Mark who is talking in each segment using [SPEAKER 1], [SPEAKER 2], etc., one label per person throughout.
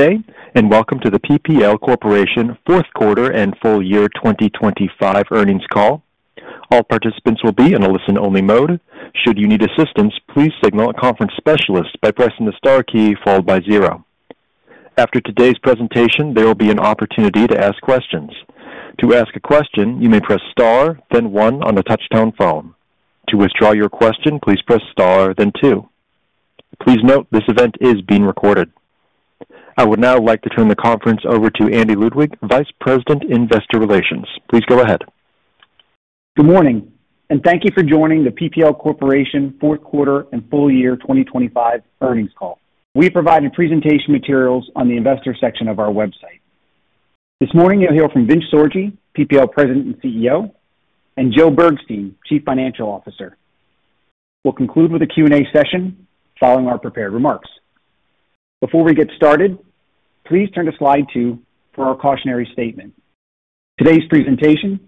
[SPEAKER 1] Good day, and welcome to the PPL Corporation Fourth Quarter and Full Year 2025 Earnings Call. All participants will be in a listen-only mode. Should you need assistance, please signal a conference specialist by pressing the star key followed by zero. After today's presentation, there will be an opportunity to ask questions. To ask a question, you may press star, then one on a touchtone phone. To withdraw your question, please press star then two. Please note, this event is being recorded. I would now like to turn the conference over to Andy Ludwig, Vice President, Investor Relations. Please go ahead.
[SPEAKER 2] Good morning, and thank you for joining the PPL Corporation Fourth Quarter and Full Year 2025 Earnings Call. We provide you presentation materials on the investor section of our website. This morning, you'll hear from Vince Sorgi, PPL President and CEO, and Joe Bergstein, Chief Financial Officer. We'll conclude with a Q&A session following our prepared remarks. Before we get started, please turn to Slide 2 for our cautionary statement. Today's presentation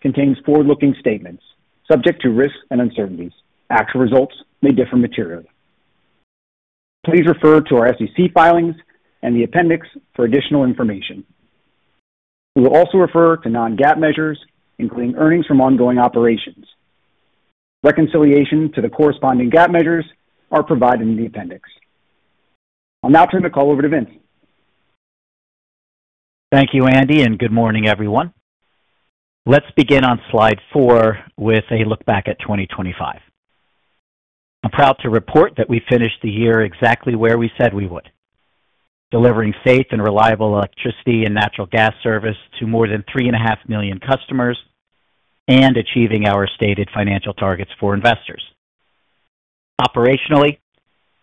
[SPEAKER 2] contains forward-looking statements subject to risks and uncertainties. Actual results may differ materially. Please refer to our SEC filings and the appendix for additional information. We will also refer to non-GAAP measures, including earnings from ongoing operations. Reconciliation to the corresponding GAAP measures are provided in the appendix. I'll now turn the call over to Vince.
[SPEAKER 3] Thank you, Andy, and good morning, everyone. Let's begin on Slide 4 with a look back at 2025. I'm proud to report that we finished the year exactly where we said we would: delivering safe and reliable electricity and natural gas service to more than 3.5 million customers and achieving our stated financial targets for investors. Operationally,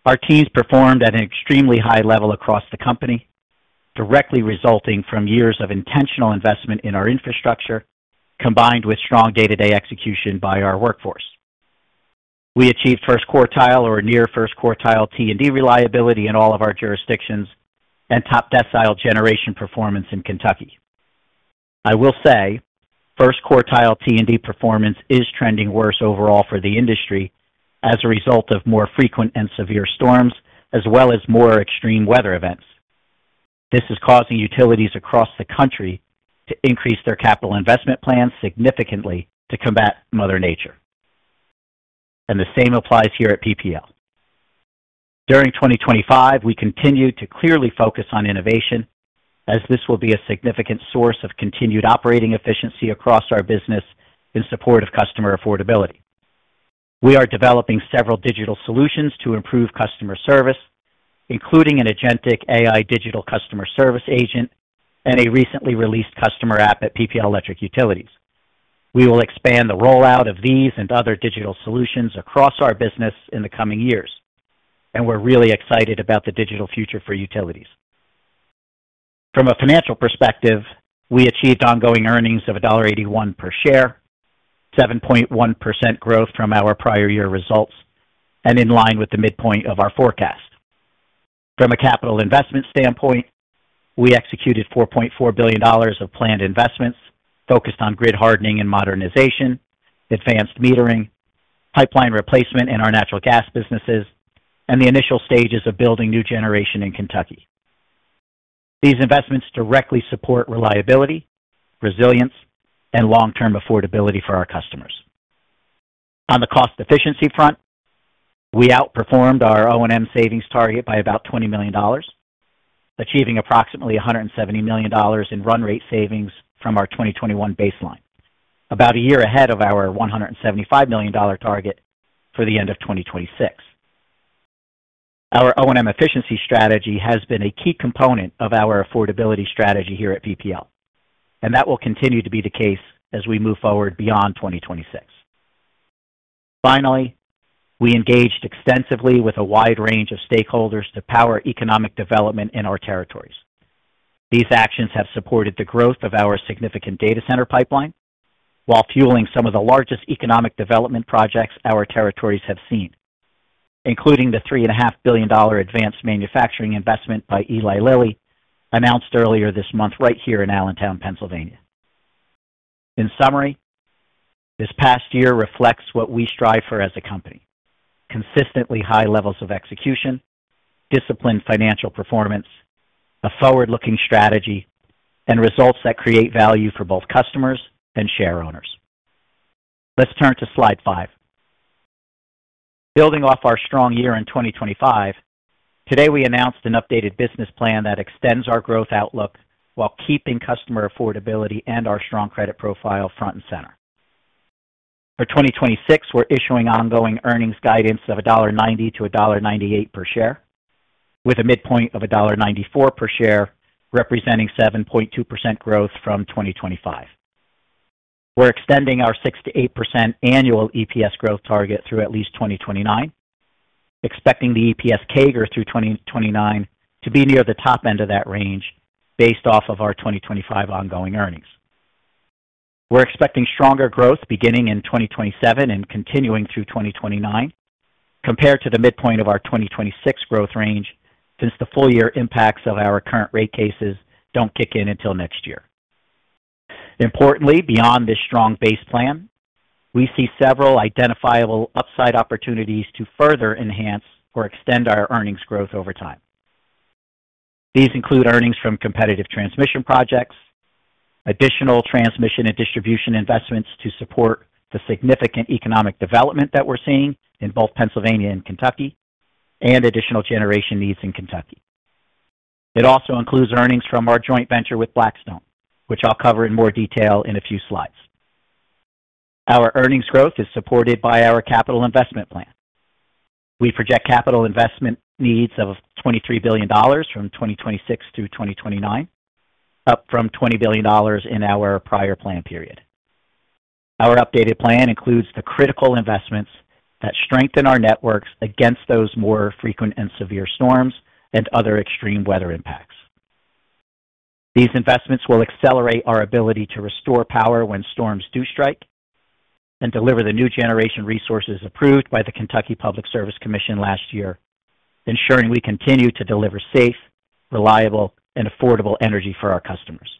[SPEAKER 3] our teams performed at an extremely high level across the company, directly resulting from years of intentional investment in our infrastructure, combined with strong day-to-day execution by our workforce. We achieved first quartile or near first quartile T&D reliability in all of our jurisdictions and top decile generation performance in Kentucky. I will say first quartile T&D performance is trending worse overall for the industry as a result of more frequent and severe storms as well as more extreme weather events. This is causing utilities across the country to increase their capital investment plans significantly to combat Mother Nature, and the same applies here at PPL. During 2025, we continued to clearly focus on innovation as this will be a significant source of continued operating efficiency across our business in support of customer affordability. We are developing several digital solutions to improve customer service, including an agentic AI digital customer service agent and a recently released customer app at PPL Electric Utilities. We will expand the rollout of these and other digital solutions across our business in the coming years, and we're really excited about the digital future for utilities. From a financial perspective, we achieved ongoing earnings of $1.81 per share, 7.1% growth from our prior-year results and in line with the midpoint of our forecast. From a capital investment standpoint, we executed $4.4 billion of planned investments focused on grid hardening and modernization, advanced metering, pipeline replacement in our natural gas businesses, and the initial stages of building new generation in Kentucky. These investments directly support reliability, resilience, and long-term affordability for our customers. On the cost efficiency front, we outperformed our O&M savings target by about $20 million, achieving approximately $170 million in run rate savings from our 2021 baseline, about a year ahead of our $175 million target for the end of 2026. Our O&M efficiency strategy has been a key component of our affordability strategy here at PPL, and that will continue to be the case as we move forward beyond 2026. Finally, we engaged extensively with a wide range of stakeholders to power economic development in our territories. These actions have supported the growth of our significant data center pipeline while fueling some of the largest economic development projects our territories have seen, including the $3.5 billion advanced manufacturing investment by Eli Lilly, announced earlier this month, right here in Allentown, Pennsylvania. In summary, this past year reflects what we strive for as a company. Consistently high levels of execution, disciplined financial performance, a forward-looking strategy, and results that create value for both customers and shareowners. Let's turn to Slide 5. Building off our strong year in 2025, today, we announced an updated business plan that extends our growth outlook while keeping customer affordability and our strong credit profile front and center. For 2026, we're issuing ongoing earnings guidance of $1.90-$1.98 per share, with a midpoint of $1.94 per share, representing 7.2% growth from 2025. We're extending our 6%-8% annual EPS growth target through at least 2029, expecting the EPS CAGR through 2029 to be near the top end of that range based off of our 2025 ongoing earnings. We're expecting stronger growth beginning in 2027 and continuing through 2029 compared to the midpoint of our 2026 growth range, since the full year impacts of our current rate cases don't kick in until next year. Importantly, beyond this strong base plan, we see several identifiable upside opportunities to further enhance or extend our earnings growth over time. These include earnings from competitive transmission projects, additional transmission and distribution investments to support the significant economic development that we're seeing in both Pennsylvania and Kentucky, and additional generation needs in Kentucky. It also includes earnings from our joint venture with Blackstone, which I'll cover in more detail in a few slides. Our earnings growth is supported by our capital investment plan. We project capital investment needs of $23 billion from 2026 through 2029, up from $20 billion in our prior plan period. Our updated plan includes the critical investments that strengthen our networks against those more frequent and severe storms and other extreme weather impacts. These investments will accelerate our ability to restore power when storms do strike and deliver the new generation resources approved by the Kentucky Public Service Commission last year, ensuring we continue to deliver safe, reliable, and affordable energy for our customers.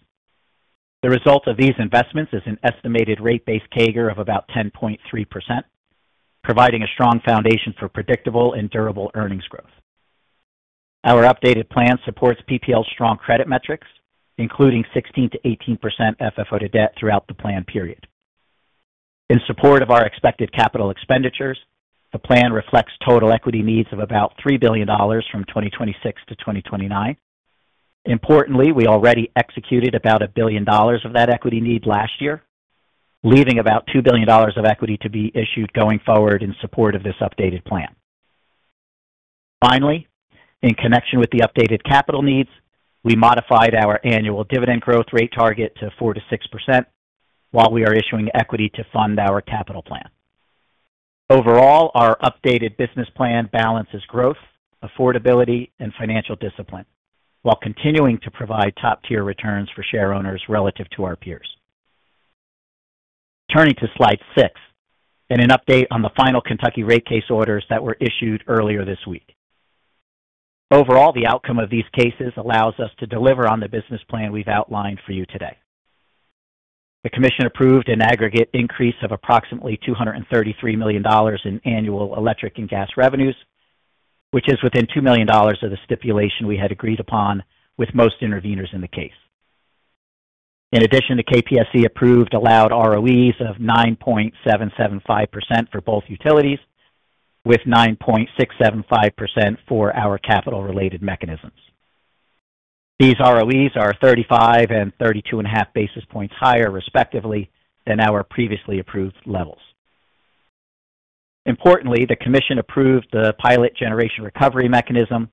[SPEAKER 3] The result of these investments is an estimated rate base CAGR of about 10.3%, providing a strong foundation for predictable and durable earnings growth. Our updated plan supports PPL's strong credit metrics, including 16%-18% FFO to debt throughout the plan period. In support of our expected capital expenditures, the plan reflects total equity needs of about $3 billion from 2026 to 2029. Importantly, we already executed about $1 billion of that equity need last year, leaving about $2 billion of equity to be issued going forward in support of this updated plan. Finally, in connection with the updated capital needs, we modified our annual dividend growth rate target to 4%-6%, while we are issuing equity to fund our capital plan. Overall, our updated business plan balances growth, affordability, and financial discipline, while continuing to provide top-tier returns for shareowners relative to our peers. Turning to Slide 6 and an update on the final Kentucky rate case orders that were issued earlier this week. Overall, the outcome of these cases allows us to deliver on the business plan we've outlined for you today. The commission approved an aggregate increase of approximately $233 million in annual electric and gas revenues, which is within $2 million of the stipulation we had agreed upon with most interveners in the case. In addition, the KPSC approved allowed ROEs of 9.775% for both utilities, with 9.675% for our capital-related mechanisms. These ROEs are 35 and 32.5 basis points higher, respectively, than our previously approved levels. Importantly, the commission approved the pilot generation recovery mechanism,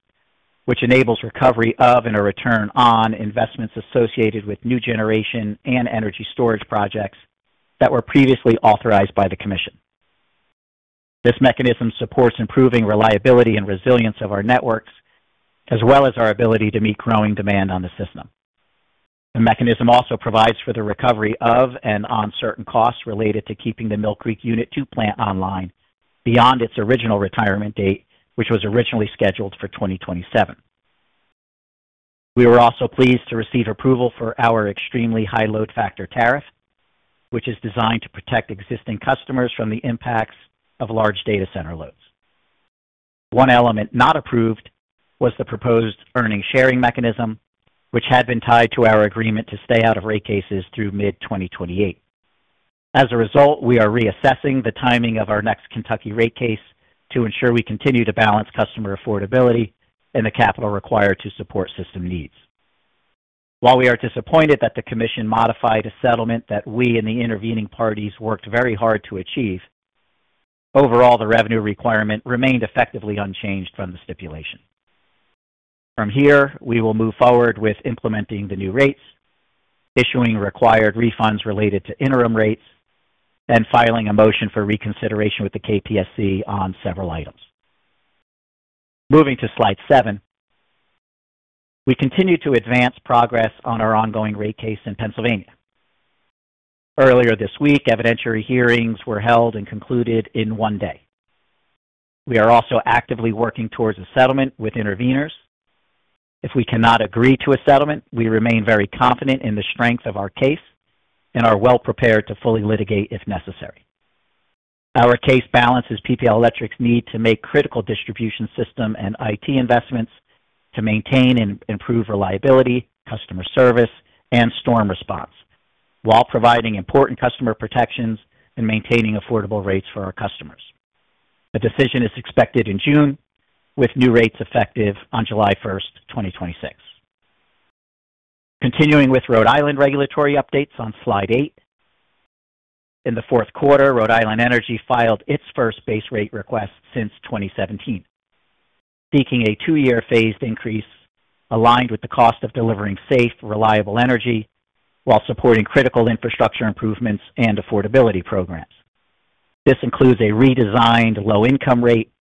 [SPEAKER 3] which enables recovery of and a return on investments associated with new generation and energy storage projects that were previously authorized by the commission. This mechanism supports improving reliability and resilience of our networks, as well as our ability to meet growing demand on the system. The mechanism also provides for the recovery of and on certain costs related to keeping the Mill Creek Unit 2 plant online beyond its original retirement date, which was originally scheduled for 2027. We were also pleased to receive approval for our extremely high load factor tariff, which is designed to protect existing customers from the impacts of large data center loads. One element not approved was the proposed earnings sharing mechanism, which had been tied to our agreement to stay out of rate cases through mid-2028. As a result, we are reassessing the timing of our next Kentucky rate case to ensure we continue to balance customer affordability and the capital required to support system needs. While we are disappointed that the commission modified a settlement that we and the intervening parties worked very hard to achieve, overall, the revenue requirement remained effectively unchanged from the stipulation. From here, we will move forward with implementing the new rates, issuing required refunds related to interim rates, and filing a motion for reconsideration with the KPSC on several items. Moving to Slide 7, we continue to advance progress on our ongoing rate case in Pennsylvania. Earlier this week, evidentiary hearings were held and concluded in one day. We are also actively working towards a settlement with interveners. If we cannot agree to a settlement, we remain very confident in the strength of our case and are well prepared to fully litigate if necessary. Our case balances PPL Electric's need to make critical distribution system and IT investments to maintain and improve reliability, customer service, and storm response, while providing important customer protections and maintaining affordable rates for our customers. A decision is expected in June, with new rates effective on July 1st, 2026. Continuing with Rhode Island regulatory updates on Slide 8. In the fourth quarter, Rhode Island Energy filed its first base rate request since 2017, seeking a two-year phased increase aligned with the cost of delivering safe, reliable energy while supporting critical infrastructure improvements and affordability programs. This includes a redesigned low-income rate,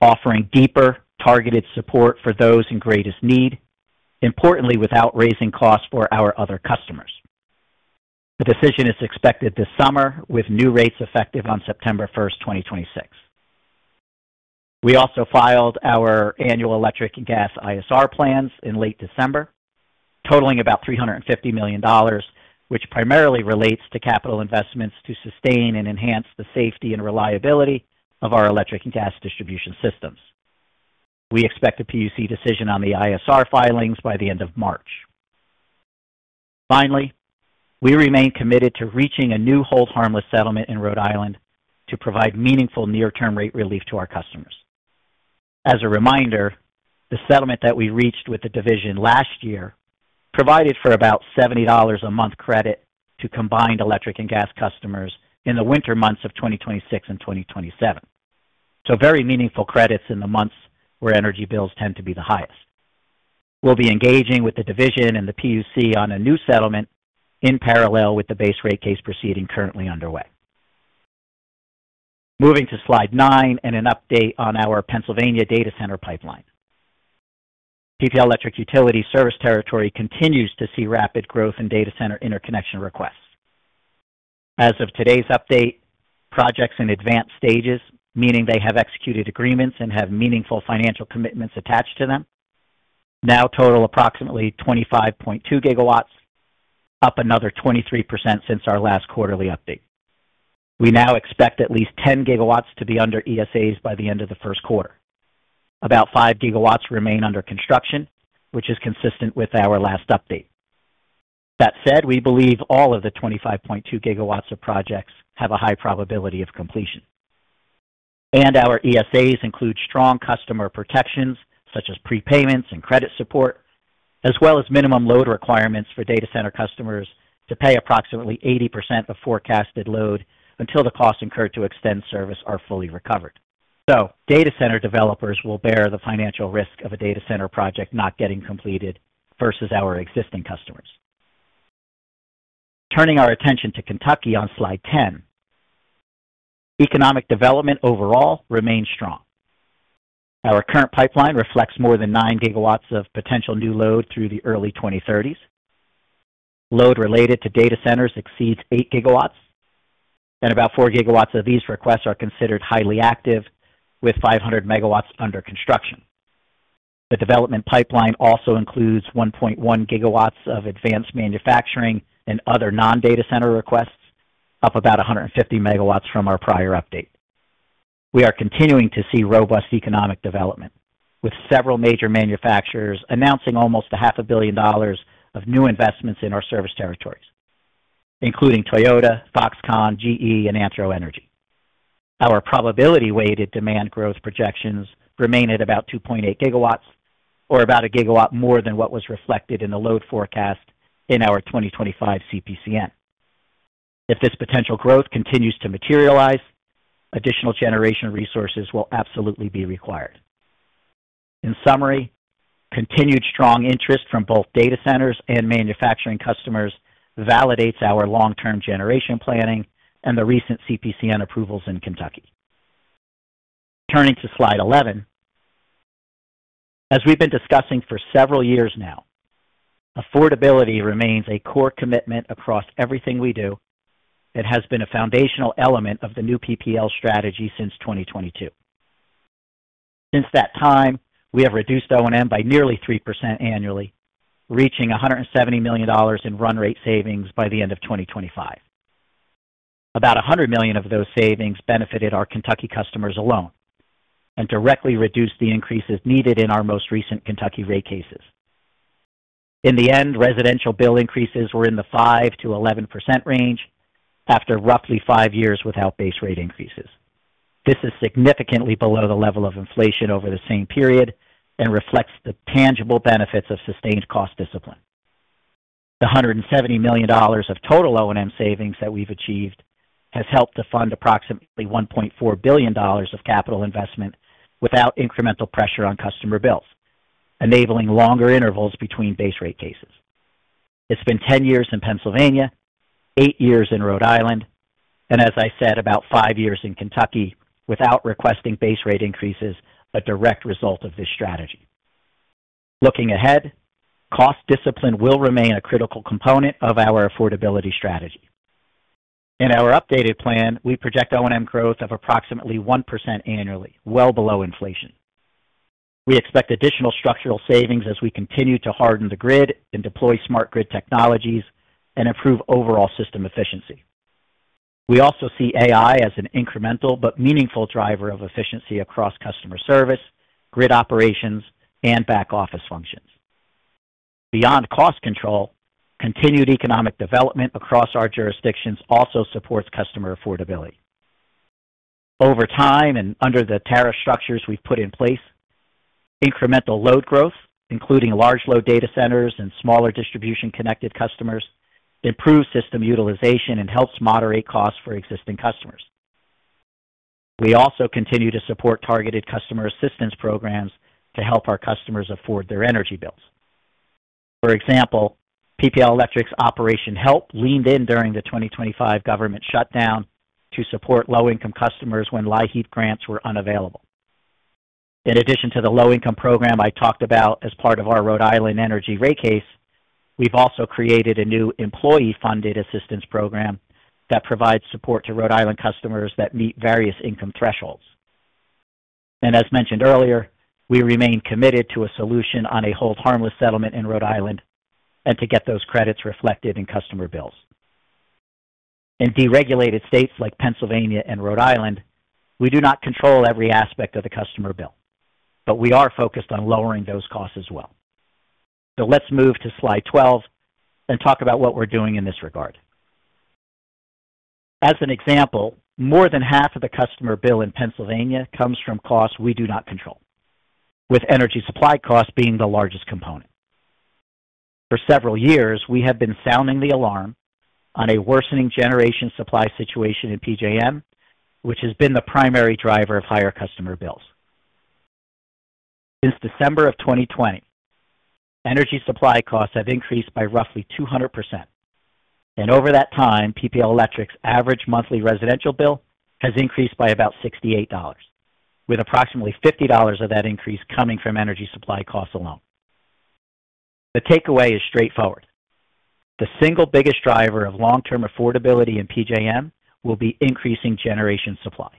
[SPEAKER 3] offering deeper, targeted support for those in greatest need, importantly, without raising costs for our other customers. The decision is expected this summer, with new rates effective on September 1st, 2026. We also filed our annual electric and gas ISR plans in late December, totaling about $350 million, which primarily relates to capital investments to sustain and enhance the safety and reliability of our electric and gas distribution systems. We expect a PUC decision on the ISR filings by the end of March. Finally, we remain committed to reaching a new hold harmless settlement in Rhode Island to provide meaningful near-term rate relief to our customers. As a reminder, the settlement that we reached with the division last year provided for about $70 a month credit to combined electric and gas customers in the winter months of 2026 and 2027. So very meaningful credits in the months where energy bills tend to be the highest. We'll be engaging with the division and the PUC on a new settlement in parallel with the base rate case proceeding currently underway. Moving to Slide 9 and an update on our Pennsylvania data center pipeline. PPL Electric Utilities service territory continues to see rapid growth in data center interconnection requests. As of today's update, projects in advanced stages, meaning they have executed agreements and have meaningful financial commitments attached to them, now total approximately 25.2 GW, up another 23% since our last quarterly update. We now expect at least 10 GW to be under ESAs by the end of the first quarter. About 5 GW remain under construction, which is consistent with our last update. That said, we believe all of the 25.2 GW of projects have a high probability of completion, and our ESAs include strong customer protections such as prepayments and credit support, as well as minimum load requirements for data center customers to pay approximately 80% of forecasted load until the costs incurred to extend service are fully recovered. So data center developers will bear the financial risk of a data center project not getting completed versus our existing customers. Turning our attention to Kentucky on Slide 10. Economic development overall remains strong. Our current pipeline reflects more than 9 GW of potential new load through the early 2030s. Load related to data centers exceeds 8 GW, and about 4 GW of these requests are considered highly active, with 500 MW under construction. The development pipeline also includes 1.1 GW of advanced manufacturing and other non-data center requests, up about 150 MW from our prior update. We are continuing to see robust economic development, with several major manufacturers announcing almost $500 million of new investments in our service territories, including Toyota, Foxconn, GE, and Anthro Energy. Our probability weighted demand growth projections remain at about 2.8 GW or about 1 GW more than what was reflected in the load forecast in our 2025 CPCN. If this potential growth continues to materialize, additional generation resources will absolutely be required. In summary, continued strong interest from both data centers and manufacturing customers validates our long-term generation planning and the recent CPCN approvals in Kentucky. Turning to Slide 11. As we've been discussing for several years now, affordability remains a core commitment across everything we do. It has been a foundational element of the new PPL strategy since 2022. Since that time, we have reduced O&M by nearly 3% annually, reaching $170 million in run rate savings by the end of 2025. About $100 million of those savings benefited our Kentucky customers alone and directly reduced the increases needed in our most recent Kentucky rate cases. In the end, residential bill increases were in the 5%-11% range after roughly five years without base rate increases. This is significantly below the level of inflation over the same period and reflects the tangible benefits of sustained cost discipline. The $170 million of total O&M savings that we've achieved has helped to fund approximately $1.4 billion of capital investment without incremental pressure on customer bills, enabling longer intervals between base rate cases. It's been 10 years in Pennsylvania, eight years in Rhode Island, and as I said, about five years in Kentucky, without requesting base rate increases, a direct result of this strategy. Looking ahead, cost discipline will remain a critical component of our affordability strategy. In our updated plan, we project O&M growth of approximately 1% annually, well below inflation. We expect additional structural savings as we continue to harden the grid and deploy smart grid technologies and improve overall system efficiency. We also see AI as an incremental but meaningful driver of efficiency across customer service, grid operations, and back-office functions. Beyond cost control, continued economic development across our jurisdictions also supports customer affordability. Over time, and under the tariff structures we've put in place, incremental load growth, including large load data centers and smaller distribution connected customers, improves system utilization and helps moderate costs for existing customers. We also continue to support targeted customer assistance programs to help our customers afford their energy bills. For example, PPL Electric's Operation HELP leaned in during the 2025 government shutdown to support low-income customers when LIHEAP grants were unavailable. In addition to the low-income program I talked about as part of our Rhode Island Energy rate case, we've also created a new employee-funded assistance program that provides support to Rhode Island customers that meet various income thresholds. As mentioned earlier, we remain committed to a solution on a hold harmless settlement in Rhode Island and to get those credits reflected in customer bills. In deregulated states like Pennsylvania and Rhode Island, we do not control every aspect of the customer bill, but we are focused on lowering those costs as well. Let's move to Slide 12 and talk about what we're doing in this regard. As an example, more than half of the customer bill in Pennsylvania comes from costs we do not control, with energy supply costs being the largest component. For several years, we have been sounding the alarm on a worsening generation supply situation in PJM, which has been the primary driver of higher customer bills. Since December 2020, energy supply costs have increased by roughly 200%, and over that time, PPL Electric's average monthly residential bill has increased by about $68, with approximately $50 of that increase coming from energy supply costs alone. The takeaway is straightforward: The single biggest driver of long-term affordability in PJM will be increasing generation supply.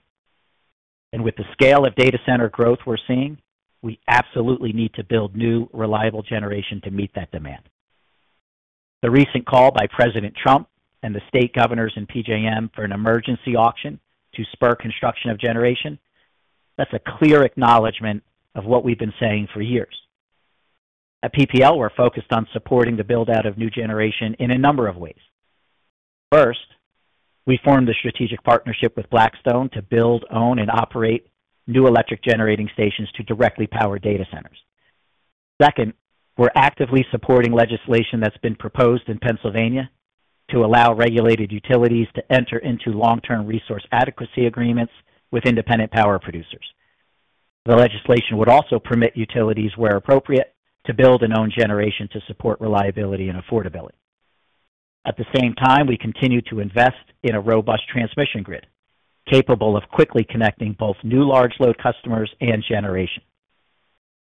[SPEAKER 3] And with the scale of data center growth we're seeing, we absolutely need to build new, reliable generation to meet that demand. The recent call by President Trump and the state governors in PJM for an emergency auction to spur construction of generation, that's a clear acknowledgment of what we've been saying for years. At PPL, we're focused on supporting the build-out of new generation in a number of ways. First, we formed a strategic partnership with Blackstone to build, own, and operate new electric generating stations to directly power data centers. Second, we're actively supporting legislation that's been proposed in Pennsylvania to allow regulated utilities to enter into long-term resource adequacy agreements with independent power producers. The legislation would also permit utilities, where appropriate, to build and own generation to support reliability and affordability. At the same time, we continue to invest in a robust transmission grid, capable of quickly connecting both new large load customers and generation.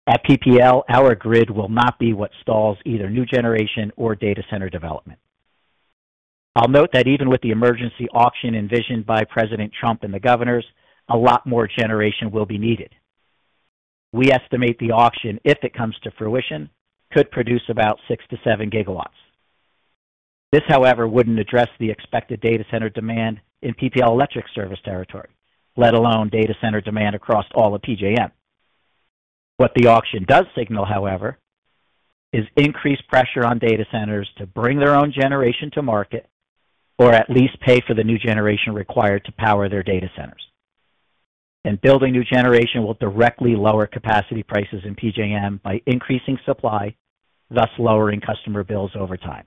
[SPEAKER 3] At PPL, our grid will not be what stalls either new generation or data center development. I'll note that even with the emergency auction envisioned by President Trump and the governors, a lot more generation will be needed. We estimate the auction, if it comes to fruition, could produce about 6 GW-7 GW. This, however, wouldn't address the expected data center demand in PPL Electric service territory, let alone data center demand across all of PJM. What the auction does signal, however, is increased pressure on data centers to bring their own generation to market or at least pay for the new generation required to power their data centers. Building new generation will directly lower capacity prices in PJM by increasing supply, thus lowering customer bills over time.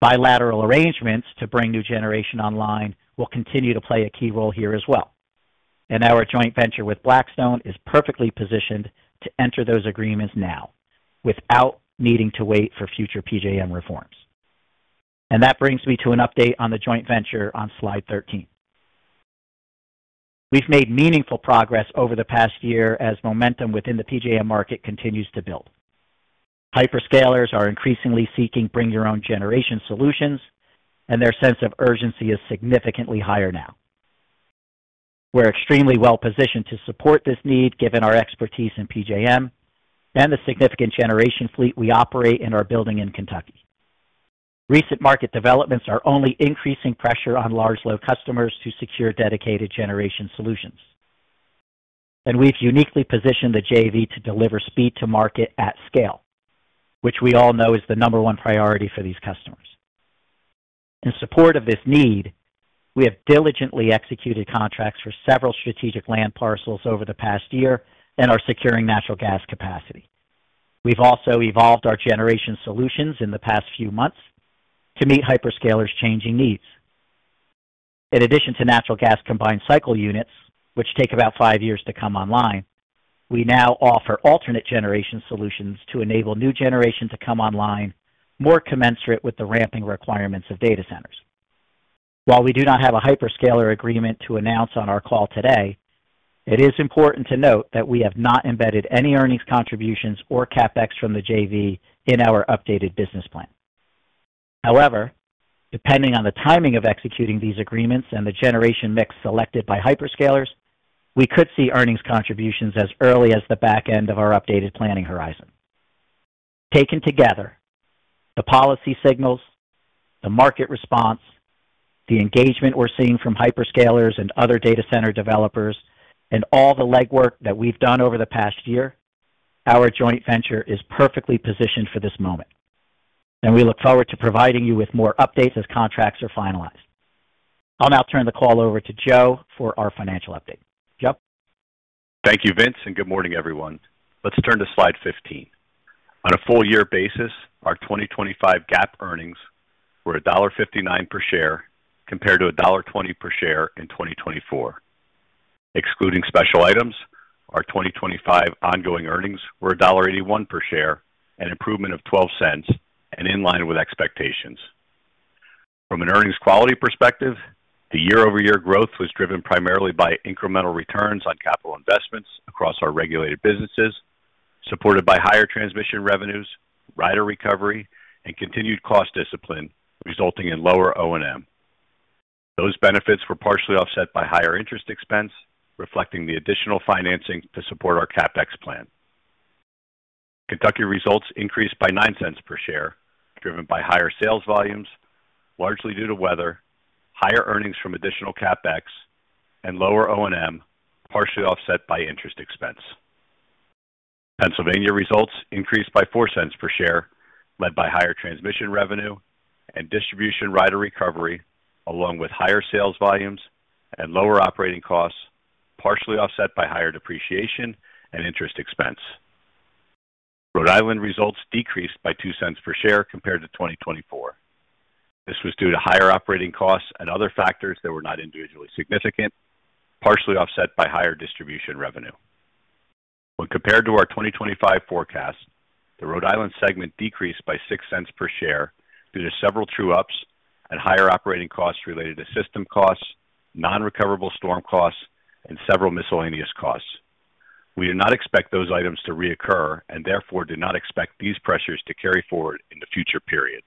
[SPEAKER 3] Bilateral arrangements to bring new generation online will continue to play a key role here as well, and our joint venture with Blackstone is perfectly positioned to enter those agreements now without needing to wait for future PJM reforms. That brings me to an update on the joint venture on Slide 13. We've made meaningful progress over the past year as momentum within the PJM market continues to build. Hyperscalers are increasingly seeking bring your own generation solutions, and their sense of urgency is significantly higher now. We're extremely well positioned to support this need, given our expertise in PJM and the significant generation fleet we operate in our utilities in Kentucky. Recent market developments are only increasing pressure on large load customers to secure dedicated generation solutions, and we've uniquely positioned the JV to deliver speed to market at scale, which we all know is the number one priority for these customers. In support of this need, we have diligently executed contracts for several strategic land parcels over the past year and are securing natural gas capacity. We've also evolved our generation solutions in the past few months to meet hyperscalers' changing needs. In addition to natural gas combined cycle units, which take about five years to come online, we now offer alternate generation solutions to enable new generation to come online, more commensurate with the ramping requirements of data centers. While we do not have a hyperscaler agreement to announce on our call today, it is important to note that we have not embedded any earnings, contributions, or CapEx from the JV in our updated business plan. However, depending on the timing of executing these agreements and the generation mix selected by hyperscalers, we could see earnings contributions as early as the back end of our updated planning horizon. Taken together, the policy signals, the market response, the engagement we're seeing from hyperscalers and other data center developers, and all the legwork that we've done over the past year, our joint venture is perfectly positioned for this moment, and we look forward to providing you with more updates as contracts are finalized. I'll now turn the call over to Joe for our financial update. Joe?
[SPEAKER 4] Thank you, Vince, and good morning, everyone. Let's turn to Slide 15. On a full-year basis, our 2025 GAAP earnings were $1.59 per share, compared to $1.20 per share in 2024. Excluding special items, our 2025 ongoing earnings were $1.81 per share, an improvement of $0.12 and in line with expectations. From an earnings quality perspective, the year-over-year growth was driven primarily by incremental returns on capital investments across our regulated businesses, supported by higher transmission revenues, rider recovery, and continued cost discipline, resulting in lower O&M. Those benefits were partially offset by higher interest expense, reflecting the additional financing to support our CapEx plan. Kentucky results increased by $0.09 per share, driven by higher sales volumes, largely due to weather, higher earnings from additional CapEx, and lower O&M, partially offset by interest expense. Pennsylvania results increased by $0.04 per share, led by higher transmission revenue and distribution rider recovery, along with higher sales volumes and lower operating costs, partially offset by higher depreciation and interest expense. Rhode Island results decreased by $0.02 per share compared to 2024. This was due to higher operating costs and other factors that were not individually significant, partially offset by higher distribution revenue. When compared to our 2025 forecast, the Rhode Island segment decreased by $0.06 per share due to several true ups and higher operating costs related to system costs, non-recoverable storm costs, and several miscellaneous costs. We do not expect those items to reoccur and therefore do not expect these pressures to carry forward into future periods.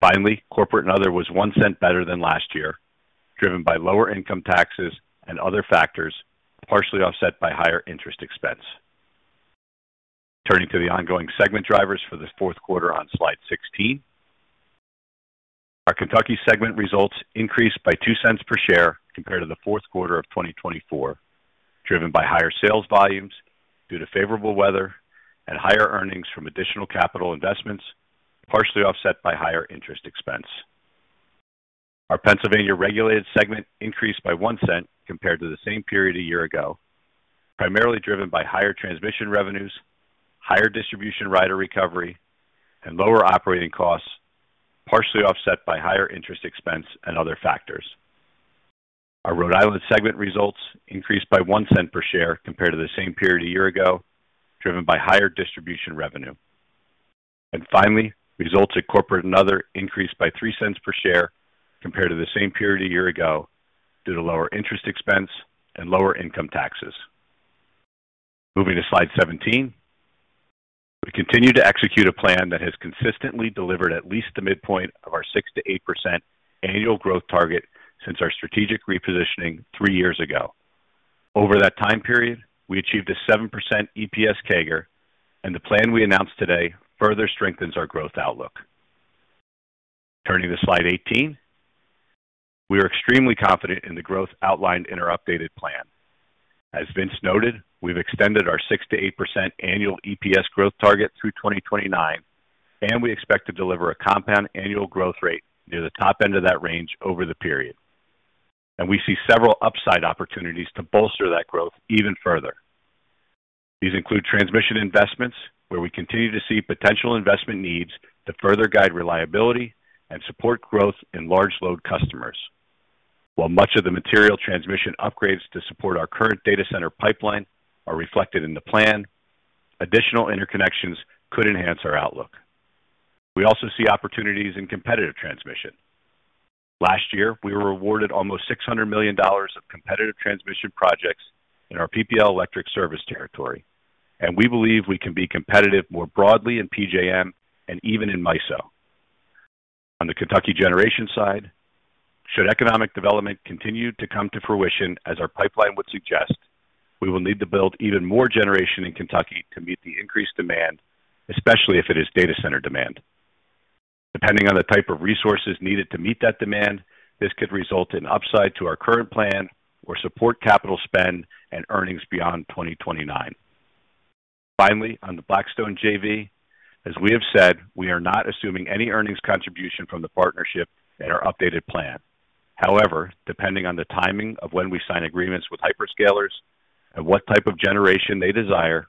[SPEAKER 4] Finally, Corporate and Other was $0.01 better than last year, driven by lower income taxes and other factors, partially offset by higher interest expense. Turning to the ongoing segment drivers for the fourth quarter on Slide 16. Our Kentucky segment results increased by $0.02 per share compared to the fourth quarter of 2024, driven by higher sales volumes due to favorable weather and higher earnings from additional capital investments, partially offset by higher interest expense. Our Pennsylvania regulated segment increased by $0.01 compared to the same period a year ago, primarily driven by higher transmission revenues, higher distribution rider recovery, and lower operating costs, partially offset by higher interest expense and other factors. Our Rhode Island segment results increased by $0.01 per share compared to the same period a year ago, driven by higher distribution revenue. Finally, results at Corporate and Other increased by $0.03 per share compared to the same period a year ago, due to lower interest expense and lower income taxes. Moving to Slide 17. We continue to execute a plan that has consistently delivered at least the midpoint of our 6%-8% annual growth target since our strategic repositioning three years ago. Over that time period, we achieved a 7% EPS CAGR, and the plan we announced today further strengthens our growth outlook. Turning to Slide 18. We are extremely confident in the growth outlined in our updated plan. As Vince noted, we've extended our 6%-8% annual EPS growth target through 2029, and we expect to deliver a compound annual growth rate near the top end of that range over the period. We see several upside opportunities to bolster that growth even further. These include transmission investments, where we continue to see potential investment needs to further guide reliability and support growth in large load customers. While much of the material transmission upgrades to support our current data center pipeline are reflected in the plan, additional interconnections could enhance our outlook. We also see opportunities in competitive transmission. Last year, we were awarded almost $600 million of competitive transmission projects in our PPL Electric Utilities territory, and we believe we can be competitive more broadly in PJM and even in MISO. On the Kentucky generation side, should economic development continue to come to fruition, as our pipeline would suggest, we will need to build even more generation in Kentucky to meet the increased demand, especially if it is data center demand. Depending on the type of resources needed to meet that demand, this could result in upside to our current plan or support capital spend and earnings beyond 2029. Finally, on the Blackstone JV, as we have said, we are not assuming any earnings contribution from the partnership in our updated plan. However, depending on the timing of when we sign agreements with hyperscalers and what type of generation they desire,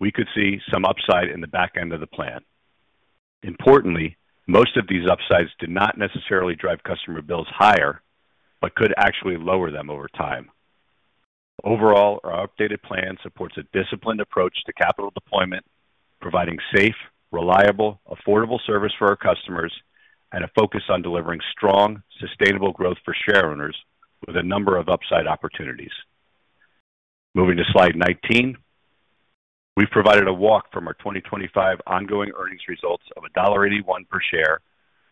[SPEAKER 4] we could see some upside in the back end of the plan. Importantly, most of these upsides do not necessarily drive customer bills higher, but could actually lower them over time. Overall, our updated plan supports a disciplined approach to capital deployment, providing safe, reliable, affordable service for our customers and a focus on delivering strong, sustainable growth for shareowners with a number of upside opportunities. Moving to Slide 19. We've provided a walk from our 2025 ongoing earnings results of $1.81 per share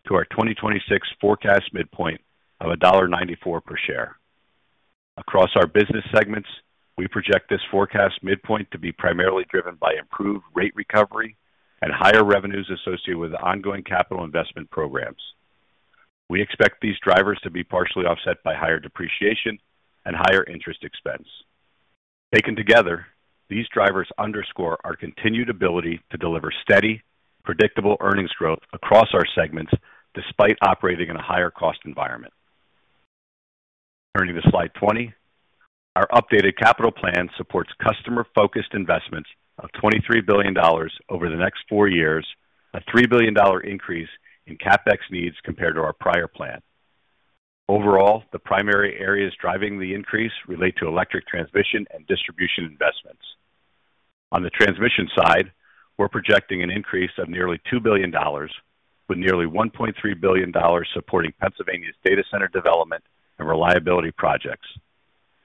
[SPEAKER 4] to our 2026 forecast midpoint of $1.94 per share. Across our business segments, we project this forecast midpoint to be primarily driven by improved rate recovery and higher revenues associated with ongoing capital investment programs. We expect these drivers to be partially offset by higher depreciation and higher interest expense. Taken together, these drivers underscore our continued ability to deliver steady, predictable earnings growth across our segments, despite operating in a higher cost environment. Turning to Slide 20. Our updated capital plan supports customer-focused investments of $23 billion over the next four years, a $3 billion increase in CapEx needs compared to our prior plan. Overall, the primary areas driving the increase relate to electric transmission and distribution investments. On the transmission side, we're projecting an increase of nearly $2 billion, with nearly $1.3 billion supporting Pennsylvania's data center development and reliability projects.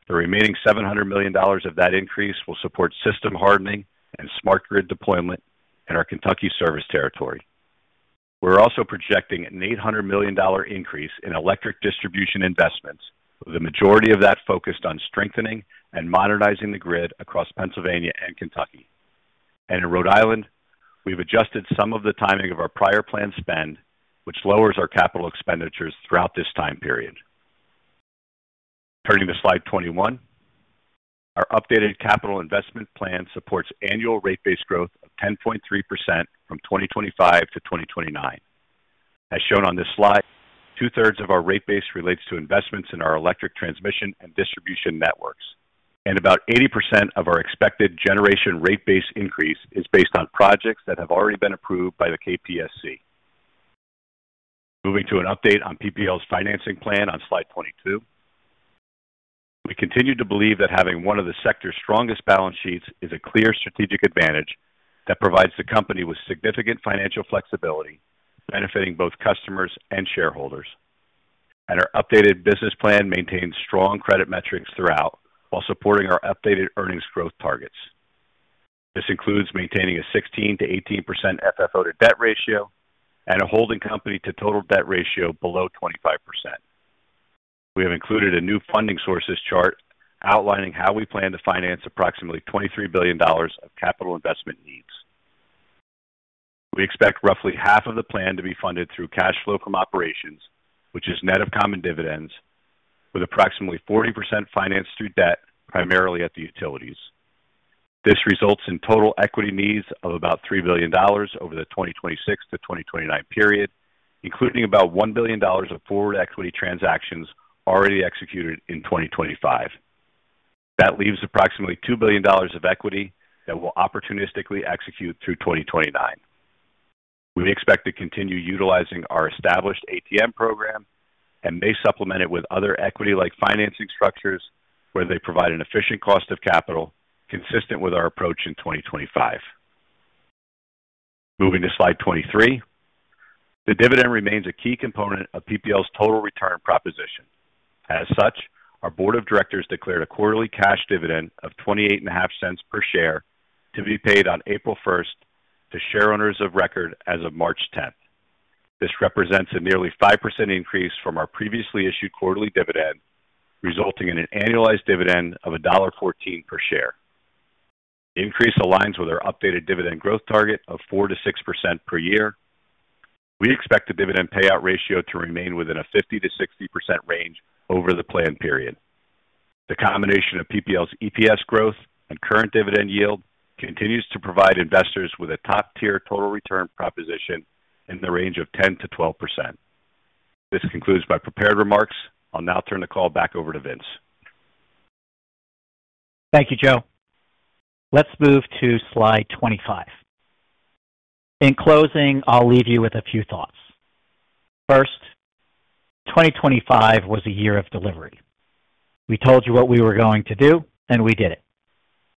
[SPEAKER 4] The remaining $700 million of that increase will support system hardening and smart grid deployment in our Kentucky service territory. We're also projecting an $800 million increase in electric distribution investments, with the majority of that focused on strengthening and modernizing the grid across Pennsylvania and Kentucky. And in Rhode Island, we've adjusted some of the timing of our prior planned spend, which lowers our capital expenditures throughout this time period. Turning to Slide 21. Our updated capital investment plan supports annual rate-based growth of 10.3% from 2025 to 2029. As shown on this slide, two-thirds of our rate base relates to investments in our electric transmission and distribution networks, and about 80% of our expected generation rate base increase is based on projects that have already been approved by the KPSC. Moving to an update on PPL's financing plan on Slide 22. We continue to believe that having one of the sector's strongest balance sheets is a clear strategic advantage that provides the company with significant financial flexibility, benefiting both customers and shareholders. Our updated business plan maintains strong credit metrics throughout, while supporting our updated earnings growth targets. This includes maintaining a 16%-18% FFO to debt ratio and a holding company to total debt ratio below 25%. We have included a new funding sources chart outlining how we plan to finance approximately $23 billion of capital investment needs. We expect roughly half of the plan to be funded through cash flow from operations, which is net of common dividends, with approximately 40% financed through debt, primarily at the utilities. This results in total equity needs of about $3 billion over the 2026-2029 period, including about $1 billion of forward equity transactions already executed in 2025. That leaves approximately $2 billion of equity that will opportunistically execute through 2029. We expect to continue utilizing our established ATM program and may supplement it with other equity-like financing structures where they provide an efficient cost of capital consistent with our approach in 2025. Moving to Slide 23. The dividend remains a key component of PPL's total return proposition. As such, our board of directors declared a quarterly cash dividend of $0.285 per share to be paid on April 1st to shareowners of record as of March 10th. This represents a nearly 5% increase from our previously issued quarterly dividend, resulting in an annualized dividend of $1.14 per share. The increase aligns with our updated dividend growth target of 4%-6% per year. We expect the dividend payout ratio to remain within a 50%-60% range over the plan period. The combination of PPL's EPS growth and current dividend yield continues to provide investors with a top-tier total return proposition in the range of 10%-12%. This concludes my prepared remarks. I'll now turn the call back over to Vince.
[SPEAKER 3] Thank you, Joe. Let's move to Slide 25. In closing, I'll leave you with a few thoughts. First, 2025 was a year of delivery. We told you what we were going to do, and we did it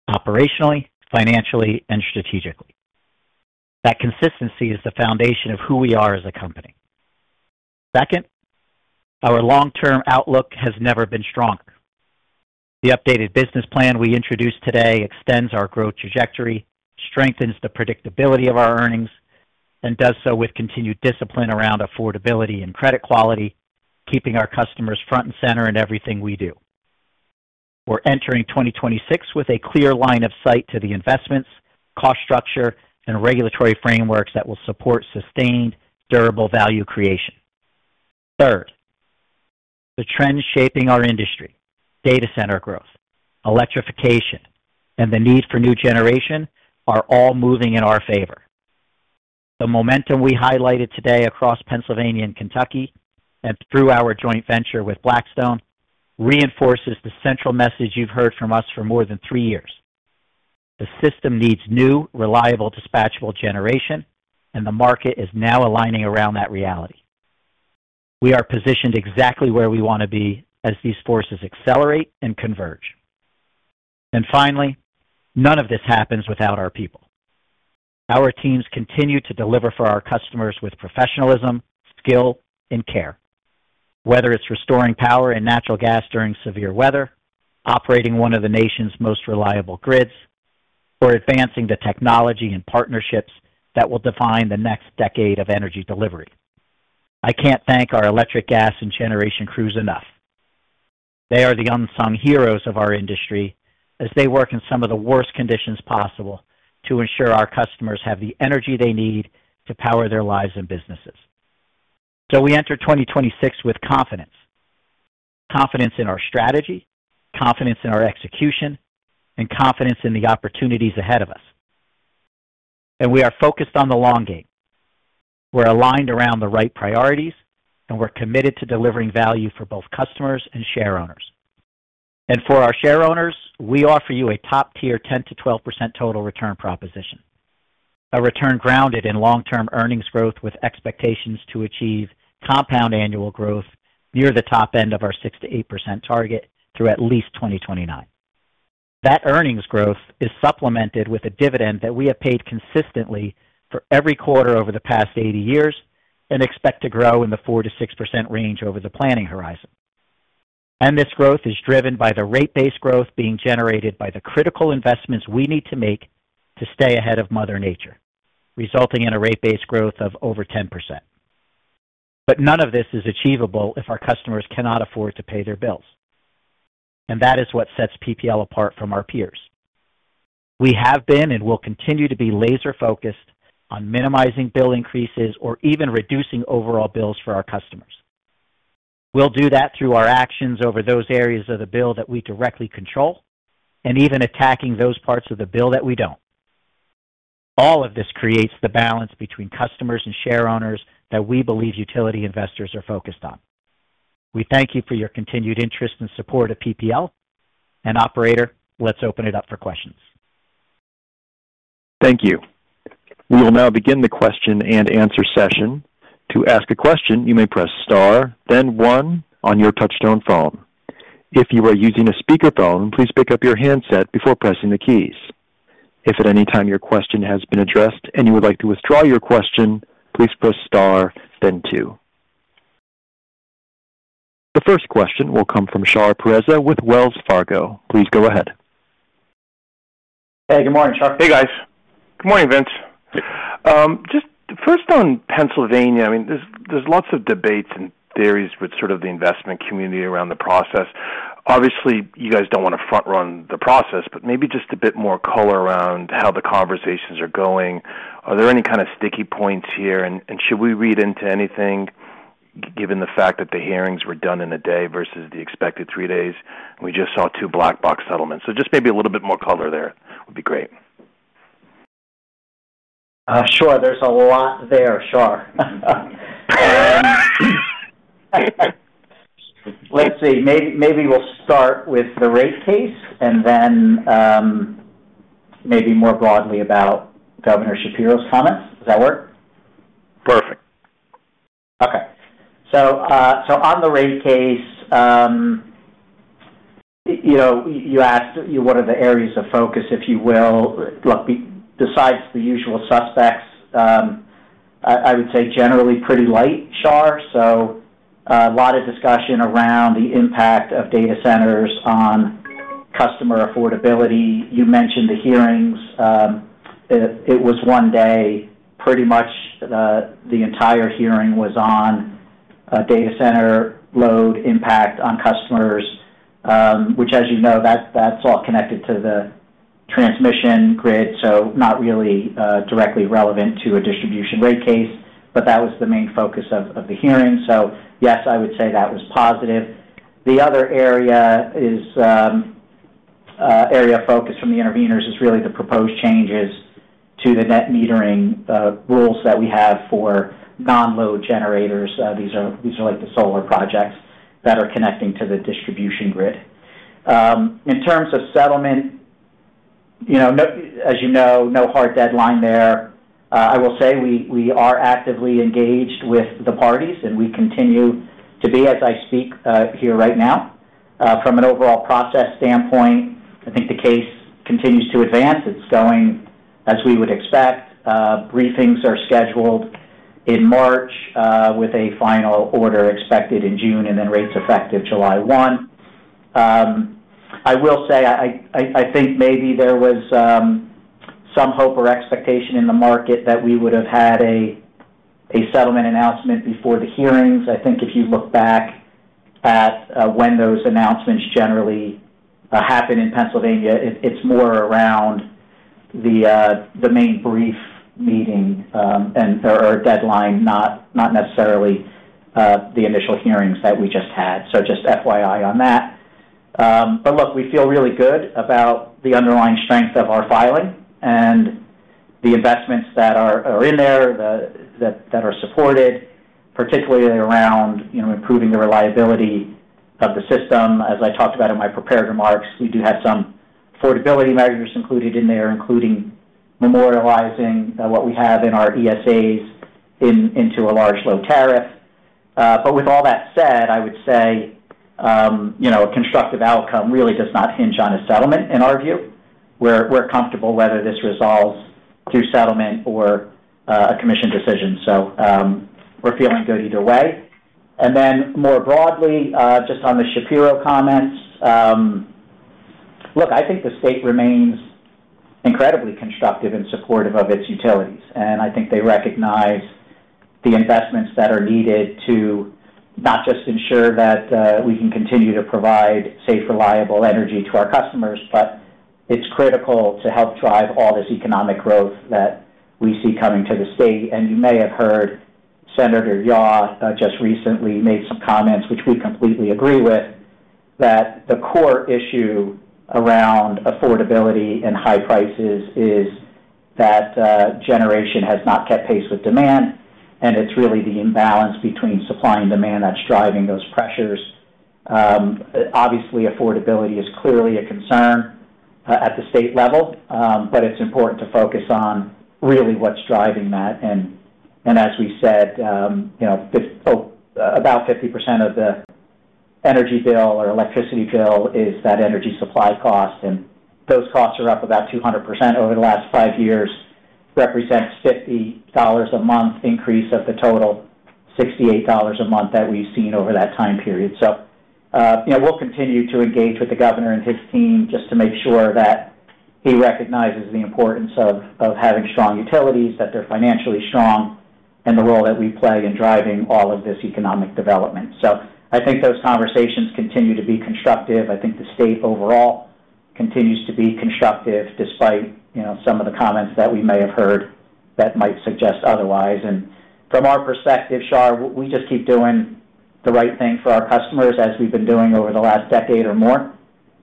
[SPEAKER 3] operationally, financially, and strategically. That consistency is the foundation of who we are as a company. Second, our long-term outlook has never been stronger. The updated business plan we introduced today extends our growth trajectory, strengthens the predictability of our earnings, and does so with continued discipline around affordability and credit quality, keeping our customers front and center in everything we do. We're entering 2026 with a clear line of sight to the investments, cost structure, and regulatory frameworks that will support sustained, durable value creation. Third, the trends shaping our industry, data center growth, electrification, and the need for new generation, are all moving in our favor. The momentum we highlighted today across Pennsylvania and Kentucky, and through our joint venture with Blackstone, reinforces the central message you've heard from us for more than three years: The system needs new, reliable, dispatchable generation, and the market is now aligning around that reality. We are positioned exactly where we want to be as these forces accelerate and converge. And finally, none of this happens without our people. Our teams continue to deliver for our customers with professionalism, skill, and care. Whether it's restoring power and natural gas during severe weather, operating one of the nation's most reliable grids, or advancing the technology and partnerships that will define the next decade of energy delivery, I can't thank our electric, gas, and generation crews enough. They are the unsung heroes of our industry as they work in some of the worst conditions possible to ensure our customers have the energy they need to power their lives and businesses. So we enter 2026 with confidence. Confidence in our strategy, confidence in our execution, and confidence in the opportunities ahead of us. And we are focused on the long game. We're aligned around the right priorities, and we're committed to delivering value for both customers and shareowners. And for our shareowners, we offer you a top-tier 10%-12% total return proposition, a return grounded in long-term earnings growth, with expectations to achieve compound annual growth near the top end of our 6%-8% target through at least 2029. That earnings growth is supplemented with a dividend that we have paid consistently for every quarter over the past 80 years and expect to grow in the 4%-6% range over the planning horizon. This growth is driven by the rate-based growth being generated by the critical investments we need to make to stay ahead of mother nature, resulting in a rate-based growth of over 10%. None of this is achievable if our customers cannot afford to pay their bills, and that is what sets PPL apart from our peers. We have been, and will continue to be, laser-focused on minimizing bill increases or even reducing overall bills for our customers. We'll do that through our actions over those areas of the bill that we directly control and even attacking those parts of the bill that we don't. All of this creates the balance between customers and shareowners that we believe utility investors are focused on. We thank you for your continued interest and support of PPL. Operator, let's open it up for questions.
[SPEAKER 1] Thank you. We will now begin the question-and-answer session. To ask a question, you may press star, then one on your touchtone phone. If you are using a speakerphone, please pick up your handset before pressing the keys. If at any time your question has been addressed and you would like to withdraw your question, please press star, then two. The first question will come from Shar Pourreza with Wells Fargo. Please go ahead.
[SPEAKER 3] Hey, good morning, Shar.
[SPEAKER 5] Hey, guys. Good morning, Vince. Just first on Pennsylvania, I mean, there's, there's lots of debates and theories with sort of the investment community around the process. Obviously, you guys don't want to front run the process, but maybe just a bit more color around how the conversations are going. Are there any kind of sticky points here? And, and should we read into anything, given the fact that the hearings were done in a day versus the expected three days? We just saw two black box settlements, so just maybe a little bit more color there would be great.
[SPEAKER 3] Sure. There's a lot there, Shar. Let's see. Maybe, maybe we'll start with the rate case and then, maybe more broadly about Governor Shapiro's comments. Does that work?
[SPEAKER 5] Perfect.
[SPEAKER 3] Okay, so, so on the rate case, you know, you asked what are the areas of focus, if you will. Look, besides the usual suspects, I would say generally pretty light, Shar. So a lot of discussion around the impact of data centers on customer affordability. You mentioned the hearings. It was one day, pretty much, the entire hearing was on data center load impact on customers, which, as you know, that's all connected to the transmission grid, so not really directly relevant to a distribution rate case, but that was the main focus of the hearing. So yes, I would say that was positive. The other area is area of focus from the interveners is really the proposed changes to the net metering rules that we have for non-load generators. These are like the solar projects that are connecting to the distribution grid. In terms of settlement, you know, as you know, no hard deadline there. I will say we are actively engaged with the parties, and we continue to be, as I speak, here right now. From an overall process standpoint, I think the case continues to advance. It's going as we would expect. Briefings are scheduled in March, with a final order expected in June, and then rates effective July 1. I will say I think maybe there was some hope or expectation in the market that we would have had a settlement announcement before the hearings. I think if you look back at when those announcements generally happen in Pennsylvania, it's more around the main brief meeting and or a deadline, not necessarily the initial hearings that we just had. So just FYI on that. But look, we feel really good about the underlying strength of our filing and the investments that are in there that are supported, particularly around, you know, improving the reliability of the system. As I talked about in my prepared remarks, we do have some affordability measures included in there, including memorializing what we have in our ESAs into a large load tariff. But with all that said, I would say, you know, a constructive outcome really does not hinge on a settlement in our view. We're comfortable whether this resolves through settlement or a commission decision. So, we're feeling good either way. And then more broadly, just on the Shapiro comments, look, I think the state remains incredibly constructive and supportive of its utilities, and I think they recognize the investments that are needed to not just ensure that we can continue to provide safe, reliable energy to our customers, but it's critical to help drive all this economic growth that we see coming to the state. And you may have heard Senator Yaw just recently made some comments, which we completely agree with, that the core issue around affordability and high prices is that generation has not kept pace with demand, and it's really the imbalance between supply and demand that's driving those pressures. Obviously, affordability is clearly a concern at the state level, but it's important to focus on really what's driving that. And, and as we said, you know, about 50% of the energy bill or electricity bill is that energy supply cost, and those costs are up about 200% over the last five years, represents $50 a month increase of the total $68 a month that we've seen over that time period. So, you know, we'll continue to engage with the governor and his team just to make sure that he recognizes the importance of, of having strong utilities, that they're financially strong, and the role that we play in driving all of this economic development. So I think those conversations continue to be constructive. I think the state overall continues to be constructive, despite, you know, some of the comments that we may have heard that might suggest otherwise. From our perspective, Shar, we just keep doing the right thing for our customers as we've been doing over the last decade or more,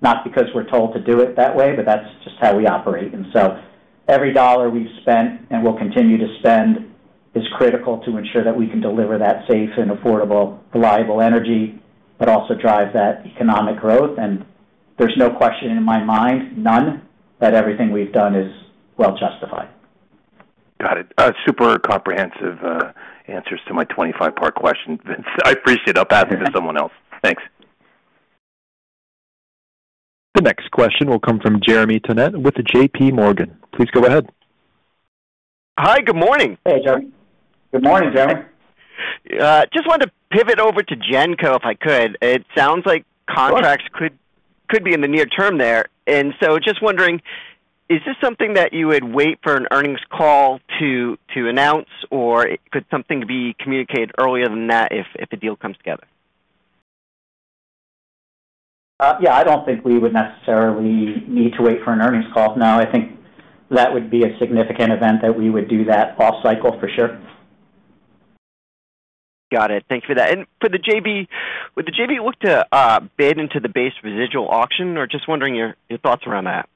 [SPEAKER 3] not because we're told to do it that way, but that's just how we operate. So every dollar we've spent and will continue to spend is critical to ensure that we can deliver that safe and affordable, reliable energy, but also drive that economic growth. There's no question in my mind, none, that everything we've done is well justified.
[SPEAKER 5] Got it. Super comprehensive answers to my 25-part question, Vince. I appreciate it. I'll pass it to someone else. Thanks.
[SPEAKER 1] The next question will come from Jeremy Tonet with JPMorgan. Please go ahead.
[SPEAKER 6] Hi, good morning.
[SPEAKER 3] Hey, Jeremy. Good morning, Jeremy.
[SPEAKER 6] Just wanted to pivot over to GenCo, if I could. It sounds like contracts could be in the near term there. And so just wondering, is this something that you would wait for an earnings call to announce, or could something be communicated earlier than that if a deal comes together?
[SPEAKER 3] Yeah, I don't think we would necessarily need to wait for an earnings call. No, I think that would be a significant event that we would do that off cycle, for sure.
[SPEAKER 6] Got it. Thank you for that. And for the JV, would the JV look to bid into the Base Residual Auction, or just wondering your thoughts around that?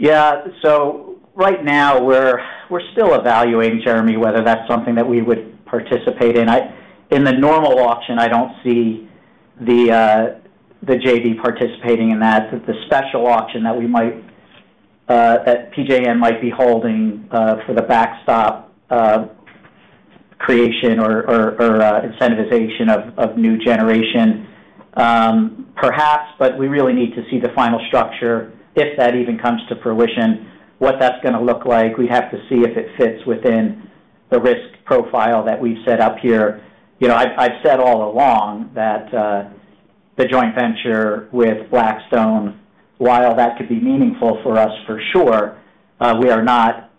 [SPEAKER 3] Yeah. So right now, we're still evaluating, Jeremy, whether that's something that we would participate in. In the normal auction, I don't see the JV participating in that. But the special auction that PJM might be holding for the backstop creation or incentivization of new generation, perhaps, but we really need to see the final structure, if that even comes to fruition, what that's gonna look like. We have to see if it fits within the risk profile that we've set up here. You know, I've said all along that the joint venture with Blackstone, while that could be meaningful for us, for sure, we are not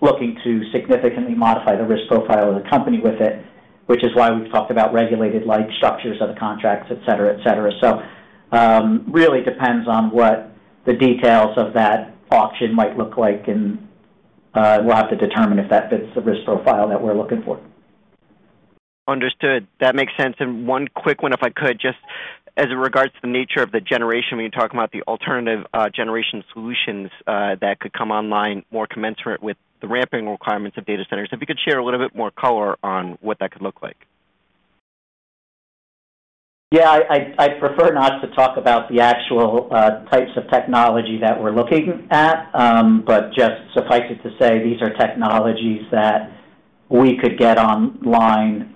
[SPEAKER 3] looking to significantly modify the risk profile of the company with it, which is why we've talked about regulated like structures of the contracts, et cetera, et cetera. So, really depends on what the details of that auction might look like, and we'll have to determine if that fits the risk profile that we're looking for.
[SPEAKER 6] Understood. That makes sense. One quick one, if I could, just as it regards to the nature of the generation, when you're talking about the alternative, generation solutions, that could come online, more commensurate with the ramping requirements of data centers. If you could share a little bit more color on what that could look like?
[SPEAKER 3] Yeah, I'd prefer not to talk about the actual types of technology that we're looking at, but just suffice it to say, these are technologies that we could get online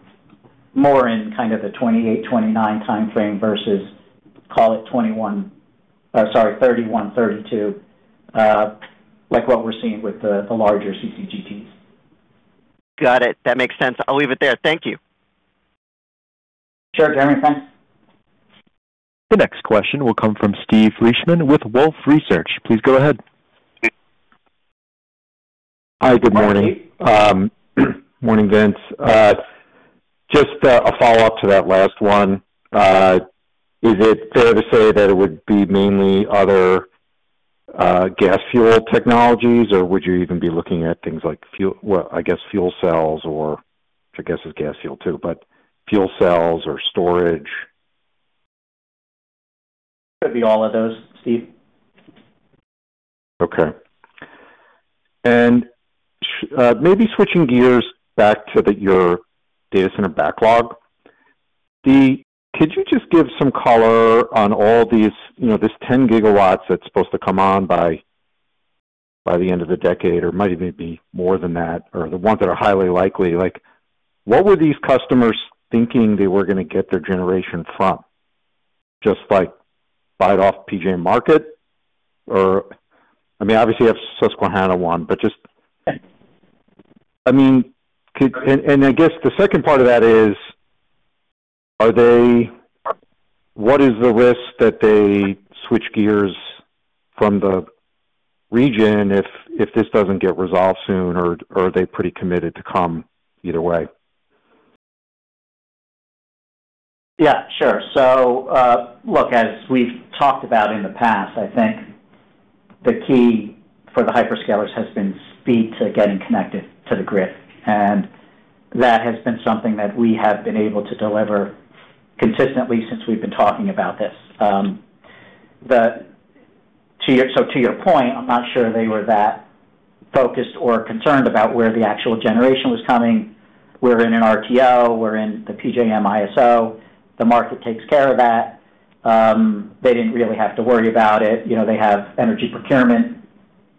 [SPEAKER 3] more in kind of the 2028, 2029 time frame versus call it 2031, 2032, like what we're seeing with the, the larger CCGTs.
[SPEAKER 6] Got it. That makes sense. I'll leave it there. Thank you.
[SPEAKER 3] Sure, Jeremy. Thanks.
[SPEAKER 1] The next question will come from Steve Fleishman with Wolfe Research. Please go ahead.
[SPEAKER 7] Hi, good morning. Morning, Vince. Just a follow-up to that last one. Is it fair to say that it would be mainly other gas fuel technologies, or would you even be looking at things like fuel, well, I guess fuel cells or, which I guess is gas fuel too, but fuel cells or storage?
[SPEAKER 3] Could be all of those, Steve.
[SPEAKER 7] Okay. And maybe switching gears back to the, your data center backlog, the—could you just give some color on all these, you know, this 10 GW that's supposed to come on by, by the end of the decade, or might even be more than that, or the ones that are highly likely? Like, what were these customers thinking they were gonna get their generation from? Just like, buy it off PJM market or, I mean, obviously, you have Susquehanna 1, but just, I mean, could—And, and I guess the second part of that is, are they—what is the risk that they switch gears from the region if, if this doesn't get resolved soon, or are they pretty committed to come either way?
[SPEAKER 3] Yeah, sure. So, look, as we've talked about in the past, I think the key for the hyperscalers has been speed to getting connected to the grid, and that has been something that we have been able to deliver consistently since we've been talking about this. To your point, I'm not sure they were that focused or concerned about where the actual generation was coming. We're in an RTO, we're in the PJM ISO. The market takes care of that. They didn't really have to worry about it. You know, they have energy procurement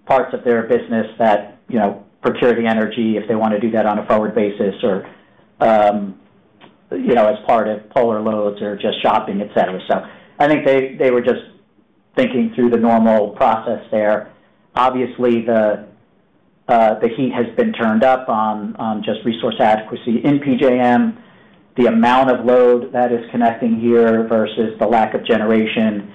[SPEAKER 3] parts of their business that, you know, procure the energy if they want to do that on a forward basis or, you know, as part of power loads or just shopping, et cetera. So I think they, they were just thinking through the normal process there. Obviously, the heat has been turned up on just resource adequacy in PJM. The amount of load that is connecting here versus the lack of generation,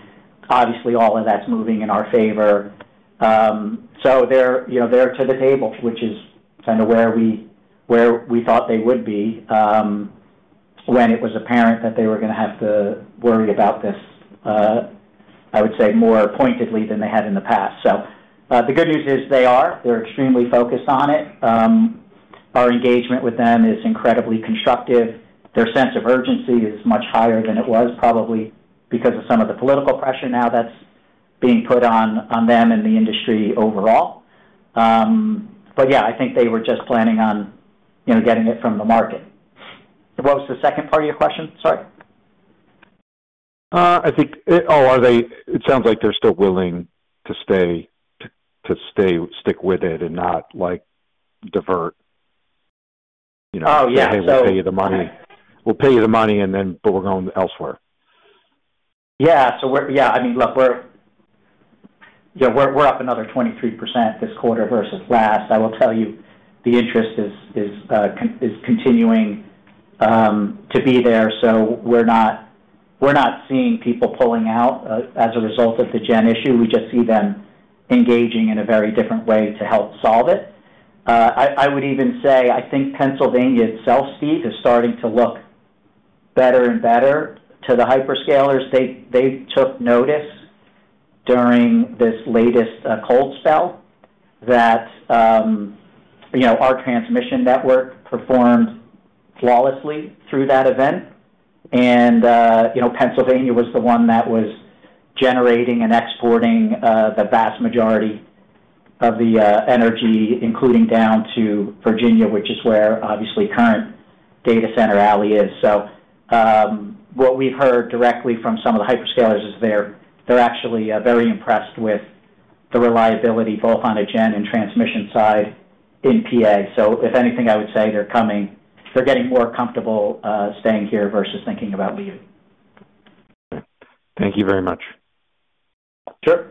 [SPEAKER 3] obviously, all of that's moving in our favor. So they're, you know, they're to the table, which is kind of where we thought they would be when it was apparent that they were gonna have to worry about this, I would say, more pointedly than they had in the past. So, the good news is they are. They're extremely focused on it. Our engagement with them is incredibly constructive. Their sense of urgency is much higher than it was, probably because of some of the political pressure now that's being put on them and the industry overall. But yeah, I think they were just planning on, you know, getting it from the market. What was the second part of your question? Sorry.
[SPEAKER 7] It sounds like they're still willing to stay-- stick with it and not, like, divert, you know?
[SPEAKER 3] Oh, yeah.
[SPEAKER 7] We'll pay you the money. We'll pay you the money, and then we're going elsewhere.
[SPEAKER 3] Yeah. So we're. Yeah, I mean, look, we're up another 23% this quarter versus last. I will tell you, the interest is continuing to be there, so we're not seeing people pulling out as a result of the gen issue. We just see them engaging in a very different way to help solve it. I would even say, I think Pennsylvania itself, Steve, is starting to look better and better to the hyperscalers. They took notice during this latest cold spell that, you know, our transmission network performed flawlessly through that event. And, you know, Pennsylvania was the one that was generating and exporting the vast majority of the energy, including down to Virginia, which is where, obviously, current Data Center Alley is. So, what we've heard directly from some of the hyperscalers is they're, they're actually very impressed with the reliability, both on the gen and transmission side in PA. So if anything, I would say they're coming. They're getting more comfortable staying here versus thinking about leaving.
[SPEAKER 7] Thank you very much.
[SPEAKER 3] Sure.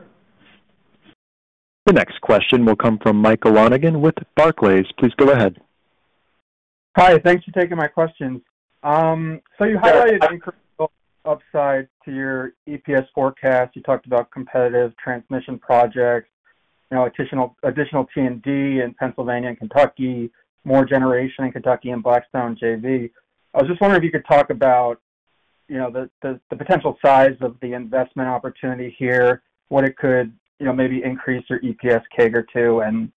[SPEAKER 1] The next question will come from Michael Lonegan with Barclays. Please go ahead.
[SPEAKER 8] Hi, thanks for taking my questions. So you highlighted increased upside to your EPS forecast. You talked about competitive transmission projects, you know, additional T&D in Pennsylvania and Kentucky, more generation in Kentucky and Blackstone JV. I was just wondering if you could talk about, you know, the potential size of the investment opportunity here, what it could, you know, maybe increase your EPS CAGR to, and,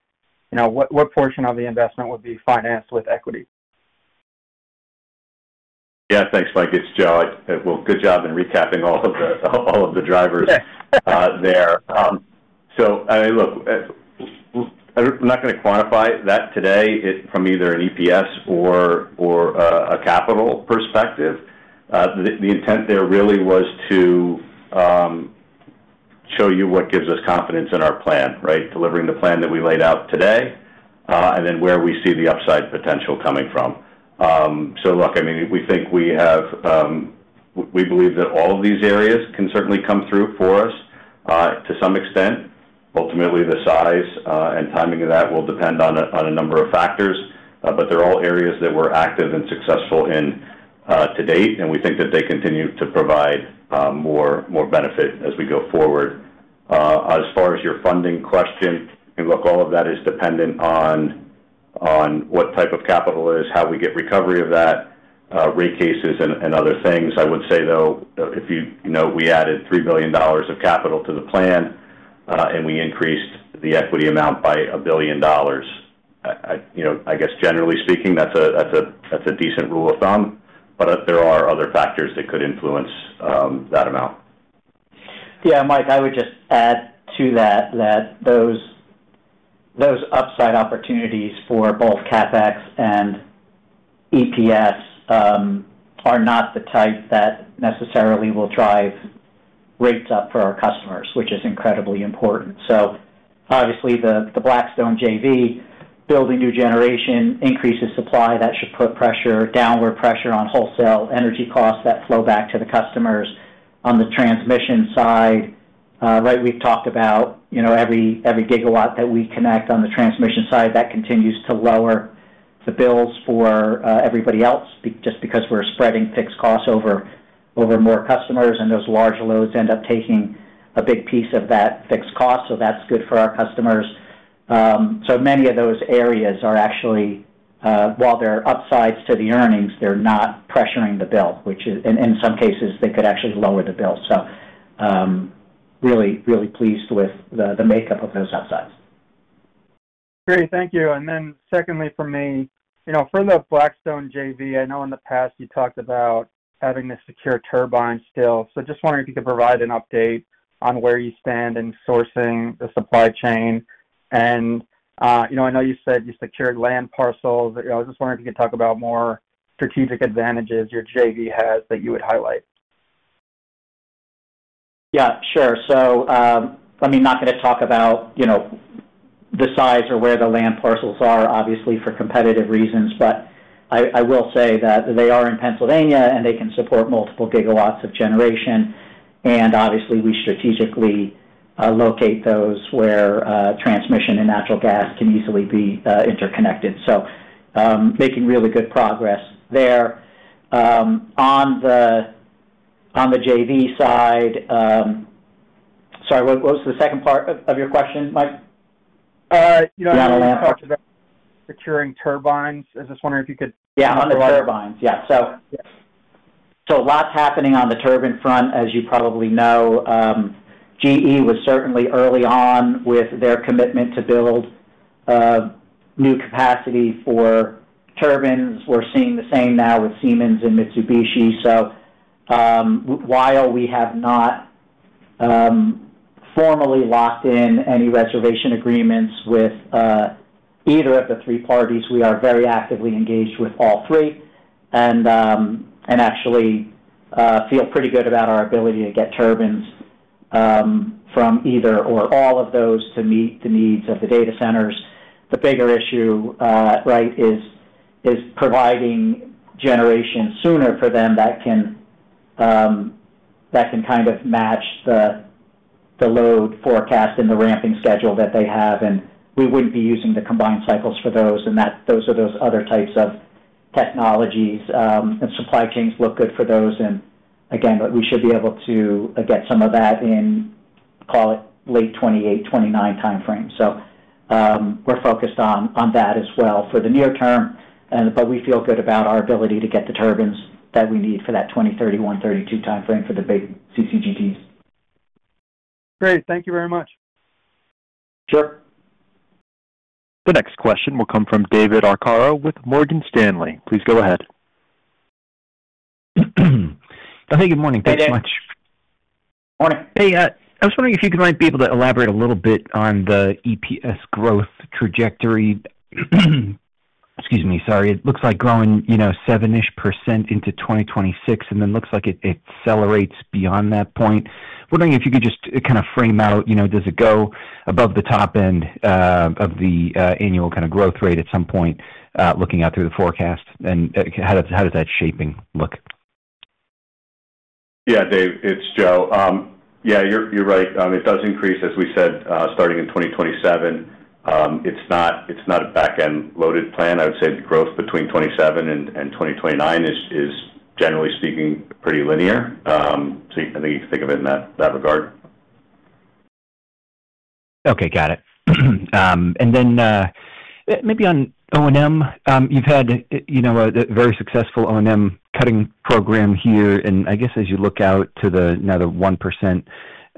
[SPEAKER 8] you know, what portion of the investment would be financed with equity?
[SPEAKER 4] Yeah, thanks, Mike. It's Joe. Well, good job in recapping all of the drivers there. So, I mean, look, I'm not going to quantify that today from either an EPS or a capital perspective. The intent there really was to show you what gives us confidence in our plan, right? Delivering the plan that we laid out today, and then where we see the upside potential coming from. So look, I mean, we think we have. We believe that all of these areas can certainly come through for us to some extent. Ultimately, the size and timing of that will depend on a number of factors. But they're all areas that we're active and successful in, to date, and we think that they continue to provide, more, more benefit as we go forward. As far as your funding question, I think, look, all of that is dependent on, on what type of capital it is, how we get recovery of that, rate cases and other things. I would say, though, if you, you know, we added $3 billion of capital to the plan, and we increased the equity amount by $1 billion. I, you know, I guess generally speaking, that's a decent rule of thumb, but there are other factors that could influence, that amount.
[SPEAKER 3] Yeah, Mike, I would just add to that, that those, those upside opportunities for both CapEx and EPS are not the type that necessarily will drive rates up for our customers, which is incredibly important. So obviously, the, the Blackstone JV, building new generation increases supply. That should put pressure, downward pressure on wholesale energy costs that flow back to the customers. On the transmission side, right, we've talked about, you know, every, every gigawatt that we connect on the transmission side, that continues to lower the bills for everybody else, just because we're spreading fixed costs over more customers, and those large loads end up taking a big piece of that fixed cost. So that's good for our customers. So many of those areas are actually, while they're upsides to the earnings, they're not pressuring the bill, which is, in some cases, they could actually lower the bill. So, really, really pleased with the makeup of those upsides.
[SPEAKER 8] Great. Thank you. And then secondly, for me, you know, for the Blackstone JV, I know in the past you talked about having to secure turbines still. So just wondering if you could provide an update on where you stand in sourcing the supply chain. And, you know, I know you said you secured land parcels. I was just wondering if you could talk about more strategic advantages your JV has that you would highlight.
[SPEAKER 3] Yeah, sure. So, I mean, not going to talk about, you know, the size or where the land parcels are, obviously, for competitive reasons, but I, I will say that they are in Pennsylvania, and they can support multiple gigawatts of generation. And obviously, we strategically locate those where transmission and natural gas can easily be, interconnected. So, making really good progress there. On the JV side, sorry, what, what was the second part of your question, Mike?
[SPEAKER 8] You know, securing turbines. I was just wondering if you could provide an update.
[SPEAKER 3] Yeah, on the turbines. Yeah. So, a lot's happening on the turbine front. As you probably know, GE was certainly early on with their commitment to build new capacity for turbines. We're seeing the same now with Siemens and Mitsubishi. So, while we have not formally locked in any reservation agreements with either of the three parties, we are very actively engaged with all three, and actually feel pretty good about our ability to get turbines from either or all of those to meet the needs of the data centers. The bigger issue, right, is providing generation sooner for them that can kind of match the load forecast and the ramping schedule that they have, and we wouldn't be using the combined cycles for those, and those are those other types of technologies. And supply chains look good for those. And again, but we should be able to get some of that in, call it, late 2028, 2029 timeframe. So, we're focused on that as well for the near term. But we feel good about our ability to get the turbines that we need for that 2031, 2032 timeframe for the big CCGTs.
[SPEAKER 8] Great. Thank you very much.
[SPEAKER 3] Sure.
[SPEAKER 1] The next question will come from David Arcaro with Morgan Stanley. Please go ahead.
[SPEAKER 9] Hey, good morning. Thanks so much.
[SPEAKER 3] Morning.
[SPEAKER 9] Hey, I was wondering if you could might be able to elaborate a little bit on the EPS growth trajectory. Excuse me, sorry. It looks like growing, you know, 7%-ish into 2026, and then looks like it, it accelerates beyond that point. Wondering if you could just kind of frame out, you know, does it go above the top end of the annual kind of growth rate at some point looking out through the forecast? And how does, how does that shaping look?
[SPEAKER 4] Yeah, Dave, it's Joe. Yeah, you're right. It does increase, as we said, starting in 2027. It's not a back-end loaded plan. I would say the growth between 2027 and 2029 is, generally speaking, pretty linear. So I think you can think of it in that regard.
[SPEAKER 9] Okay, got it. And then, maybe on O&M, you've had a, you know, a very successful O&M cutting program here, and I guess as you look out to the, you know, the 1%,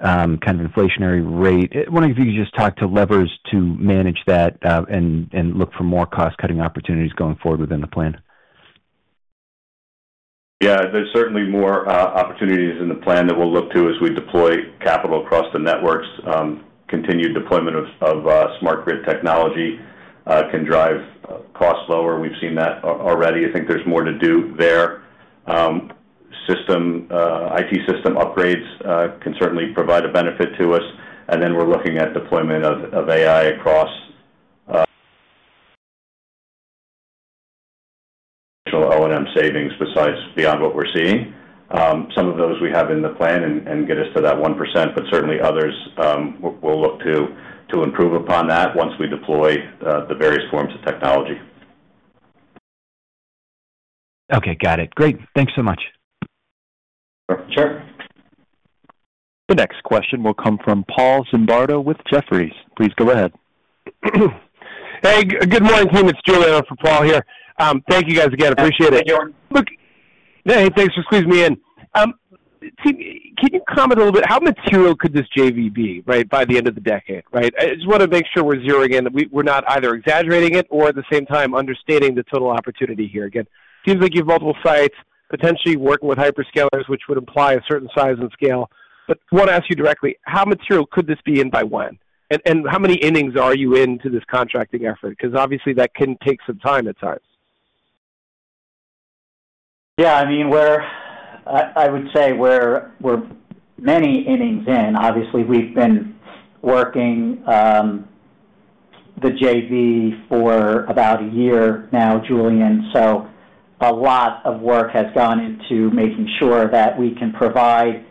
[SPEAKER 9] kind of inflationary rate, wondering if you could just talk to levers to manage that, and look for more cost-cutting opportunities going forward within the plan.
[SPEAKER 4] Yeah, there's certainly more opportunities in the plan that we'll look to as we deploy capital across the networks. Continued deployment of smart grid technology can drive costs lower. We've seen that already. I think there's more to do there. System IT system upgrades can certainly provide a benefit to us. And then we're looking at deployment of AI across O&M savings, besides beyond what we're seeing. Some of those we have in the plan and get us to that 1%, but certainly others, we'll look to improve upon that once we deploy the various forms of technology.
[SPEAKER 9] Okay, got it. Great. Thanks so much.
[SPEAKER 4] Sure.
[SPEAKER 1] The next question will come from Paul Zimbardo with Jefferies. Please go ahead.
[SPEAKER 10] Hey, good morning, team. It's Julien for Paul here. Thank you, guys, again. Appreciate it.
[SPEAKER 3] Hey, Julien.
[SPEAKER 10] Look, hey, thanks for squeezing me in. Can you comment a little bit, how material could this JV be, right, by the end of the decade, right? I just want to make sure we're zeroing in, that we're not either exaggerating it or at the same time, understating the total opportunity here. Again, seems like you have multiple sites, potentially working with hyperscalers, which would imply a certain size and scale. But want to ask you directly, how material could this be in by when? And how many innings are you into this contracting effort? Because obviously, that can take some time at times.
[SPEAKER 3] Yeah, I mean, we're. I would say we're many innings in. Obviously, we've been working the JV for about a year now, Julian, so a lot of work has gone into making sure that we can provide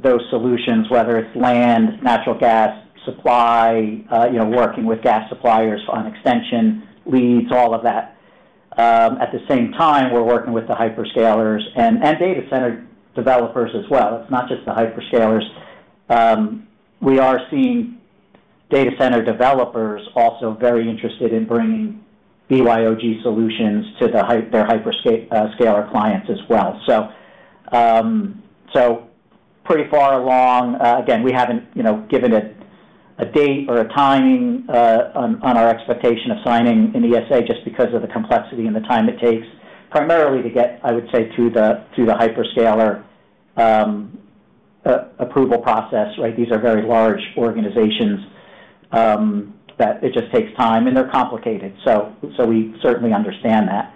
[SPEAKER 3] those solutions, whether it's land, natural gas, supply, you know, working with gas suppliers on extension leads, all of that. At the same time, we're working with the hyperscalers and data center developers as well. It's not just the hyperscalers. We are seeing data center developers also very interested in bringing BYOG solutions to their hyperscaler clients as well. So, pretty far along. Again, we haven't, you know, given it a date or a timing, on, on our expectation of signing an ESA just because of the complexity and the time it takes, primarily to get, I would say, through the hyperscaler, approval process, right? These are very large organizations, that it just takes time, and they're complicated, so we certainly understand that.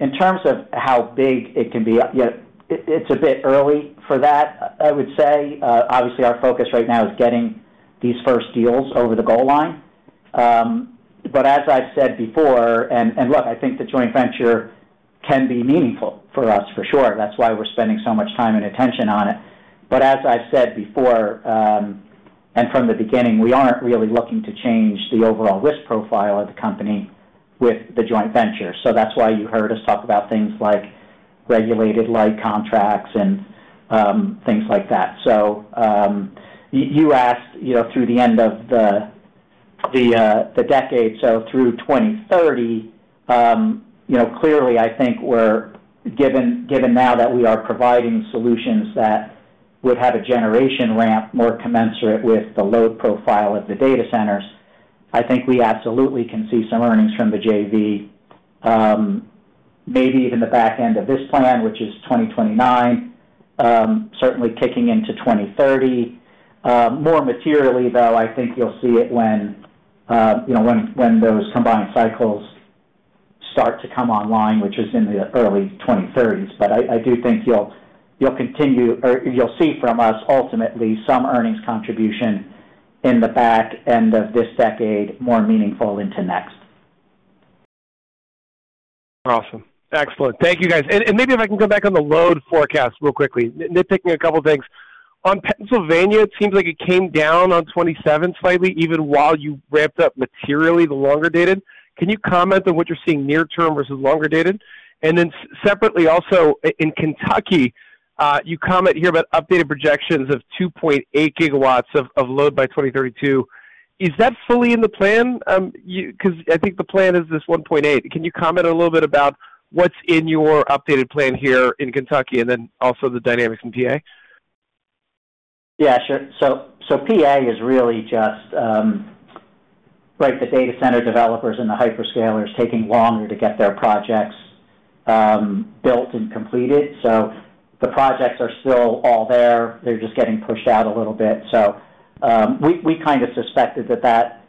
[SPEAKER 3] In terms of how big it can be, yeah, it, it's a bit early for that, I would say. Obviously, our focus right now is getting these first deals over the goal line. But as I've said before, and, and look, I think the joint venture can be meaningful for us, for sure. That's why we're spending so much time and attention on it. But as I've said before, and from the beginning, we aren't really looking to change the overall risk profile of the company with the joint venture. So that's why you heard us talk about things like regulated light contracts and, things like that. So, you asked, you know, through the end of the decade, so through 2030, you know, clearly, I think we're given now that we are providing solutions that would have a generation ramp more commensurate with the load profile of the data centers, I think we absolutely can see some earnings from the JV, maybe even the back end of this plan, which is 2029, certainly kicking into 2030. More materially, though, I think you'll see it when, you know, when those combined cycles start to come online, which is in the early 2030s. But I do think you'll continue or you'll see from us ultimately some earnings contribution in the back end of this decade, more meaningful into next.
[SPEAKER 10] Awesome. Excellent. Thank you, guys. And maybe if I can go back on the load forecast real quickly. Nitpicking a couple of things. On Pennsylvania, it seems like it came down on 2027 slightly, even while you ramped up materially the longer dated. Can you comment on what you're seeing near term versus longer dated? And then separately also, in Kentucky, you comment here about updated projections of 2.8 GW of load by 2032. Is that fully in the plan? Because I think the plan is this 1.8 GW. Can you comment a little bit about what's in your updated plan here in Kentucky, and then also the dynamics in PA?
[SPEAKER 3] Yeah, sure. So PA is really just, like the data center developers and the hyperscalers taking longer to get their projects built and completed. So the projects are still all there. They're just getting pushed out a little bit. So we kind of suspected that that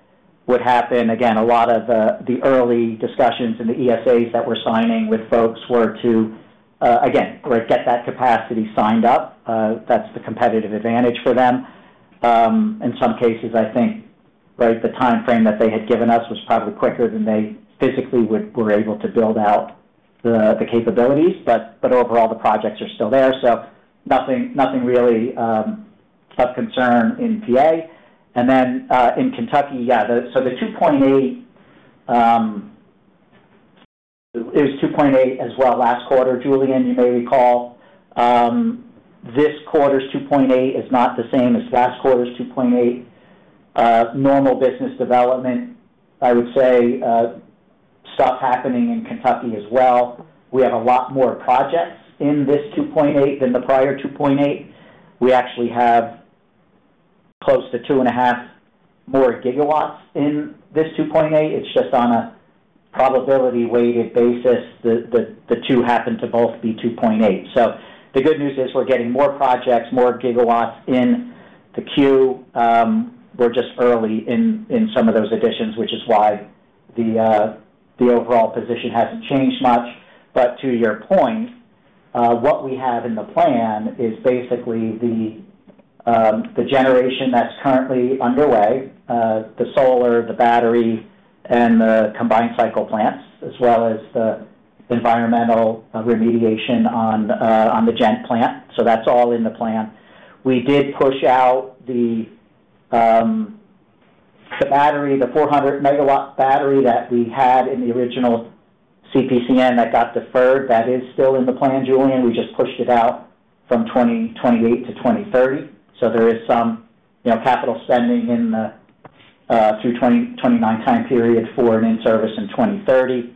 [SPEAKER 3] would happen. Again, a lot of the early discussions in the ESAs that we're signing with folks were to, again, get that capacity signed up. That's the competitive advantage for them. In some cases, I think, right, the time frame that they had given us was probably quicker than they physically were able to build out the capabilities. But overall, the projects are still there, so nothing really of concern in PA. In Kentucky, yeah, so the 2.8 GW, it was 2.8 GW as well last quarter. Julian, you may recall, this quarter's 2.8 GW is not the same as last quarter's 2.8 GW. Normal business development, I would say, stuff happening in Kentucky as well. We have a lot more projects in this 2.8 GW than the prior 2.8 GW. We actually have close to 2.5 GW more gigawatts in this 2.8 GW. It's just on a probability weighted basis, the two happen to both be 2.8 GW. So the good news is we're getting more projects, more gigawatts in the queue. We're just early in some of those additions, which is why the overall position hasn't changed much. But to your point, what we have in the plan is basically the generation that's currently underway, the solar, the battery, and the combined cycle plants, as well as the environmental remediation on the Ghent plant. So that's all in the plan. We did push out the battery, the 400 MW battery that we had in the original CPCN that got deferred. That is still in the plan, Julien. We just pushed it out from 2028 to 2030. So there is some, you know, capital spending in the through 2029 time period for an in-service in 2030.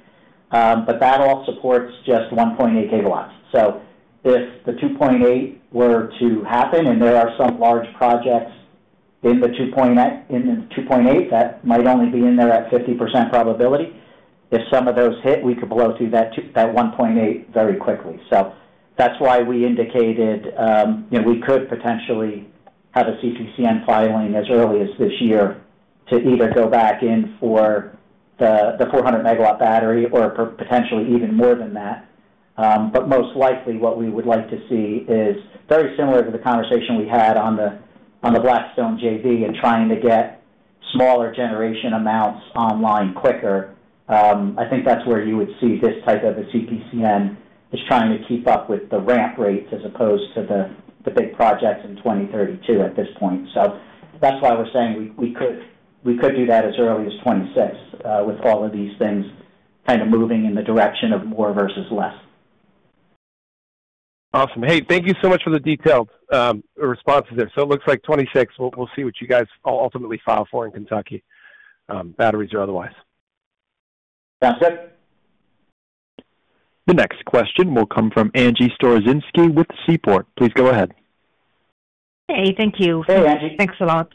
[SPEAKER 3] But that all supports just 1.8 GW. So if the 2.8 GW were to happen, and there are some large projects in the 2.8 GW that might only be in there at 50% probability. If some of those hit, we could blow through that 1.8 GW very quickly. So that's why we indicated, you know, we could potentially have a CPCN filing as early as this year to either go back in for the, the 400 MW battery or potentially even more than that. But most likely, what we would like to see is very similar to the conversation we had on the, on the Blackstone JV and trying to get smaller generation amounts online quicker. I think that's where you would see this type of a CPCN is trying to keep up with the ramp rates as opposed to the big projects in 2032 at this point. So that's why we're saying we could do that as early as 2026, with all of these things kind of moving in the direction of more versus less.
[SPEAKER 10] Awesome. Hey, thank you so much for the detailed response to this. So it looks like 2026. We'll see what you guys ultimately file for in Kentucky, batteries or otherwise.
[SPEAKER 3] Sounds good.
[SPEAKER 1] The next question will come from Angie Storozynski with Seaport. Please go ahead.
[SPEAKER 11] Hey, thank you.
[SPEAKER 3] Hey, Angie. Thanks a lot.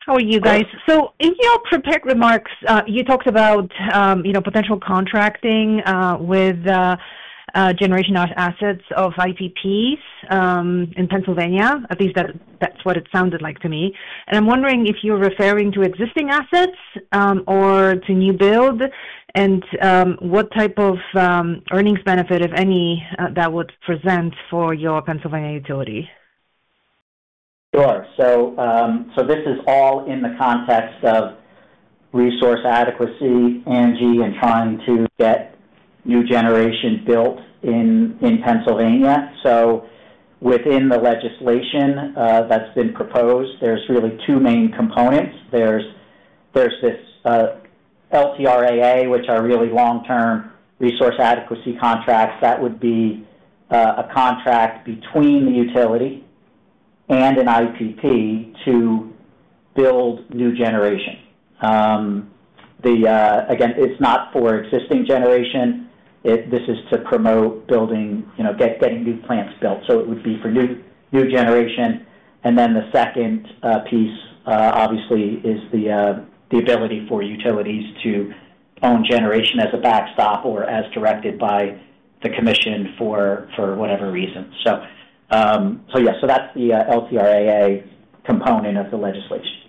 [SPEAKER 11] How are you guys? So in your prepared remarks, you talked about, you know, potential contracting with generation assets of IPPs in Pennsylvania. At least that, that's what it sounded like to me. And I'm wondering if you're referring to existing assets or to new build, and what type of earnings benefit, if any, that would present for your Pennsylvania utility?
[SPEAKER 3] Sure. So this is all in the context of resource adequacy, Angie, and trying to get new generation built in Pennsylvania. So within the legislation that's been proposed, there's really two main components. There's this LCRAA, which are really long-term resource adequacy contracts. That would be a contract between the utility and an IPP to build new generation. Again, it's not for existing generation. This is to promote building, you know, getting new plants built, so it would be for new generation. And then the second piece, obviously, is the ability for utilities to own generation as a backstop or as directed by the commission for whatever reason. So yeah, that's the LCRAA component of the legislation.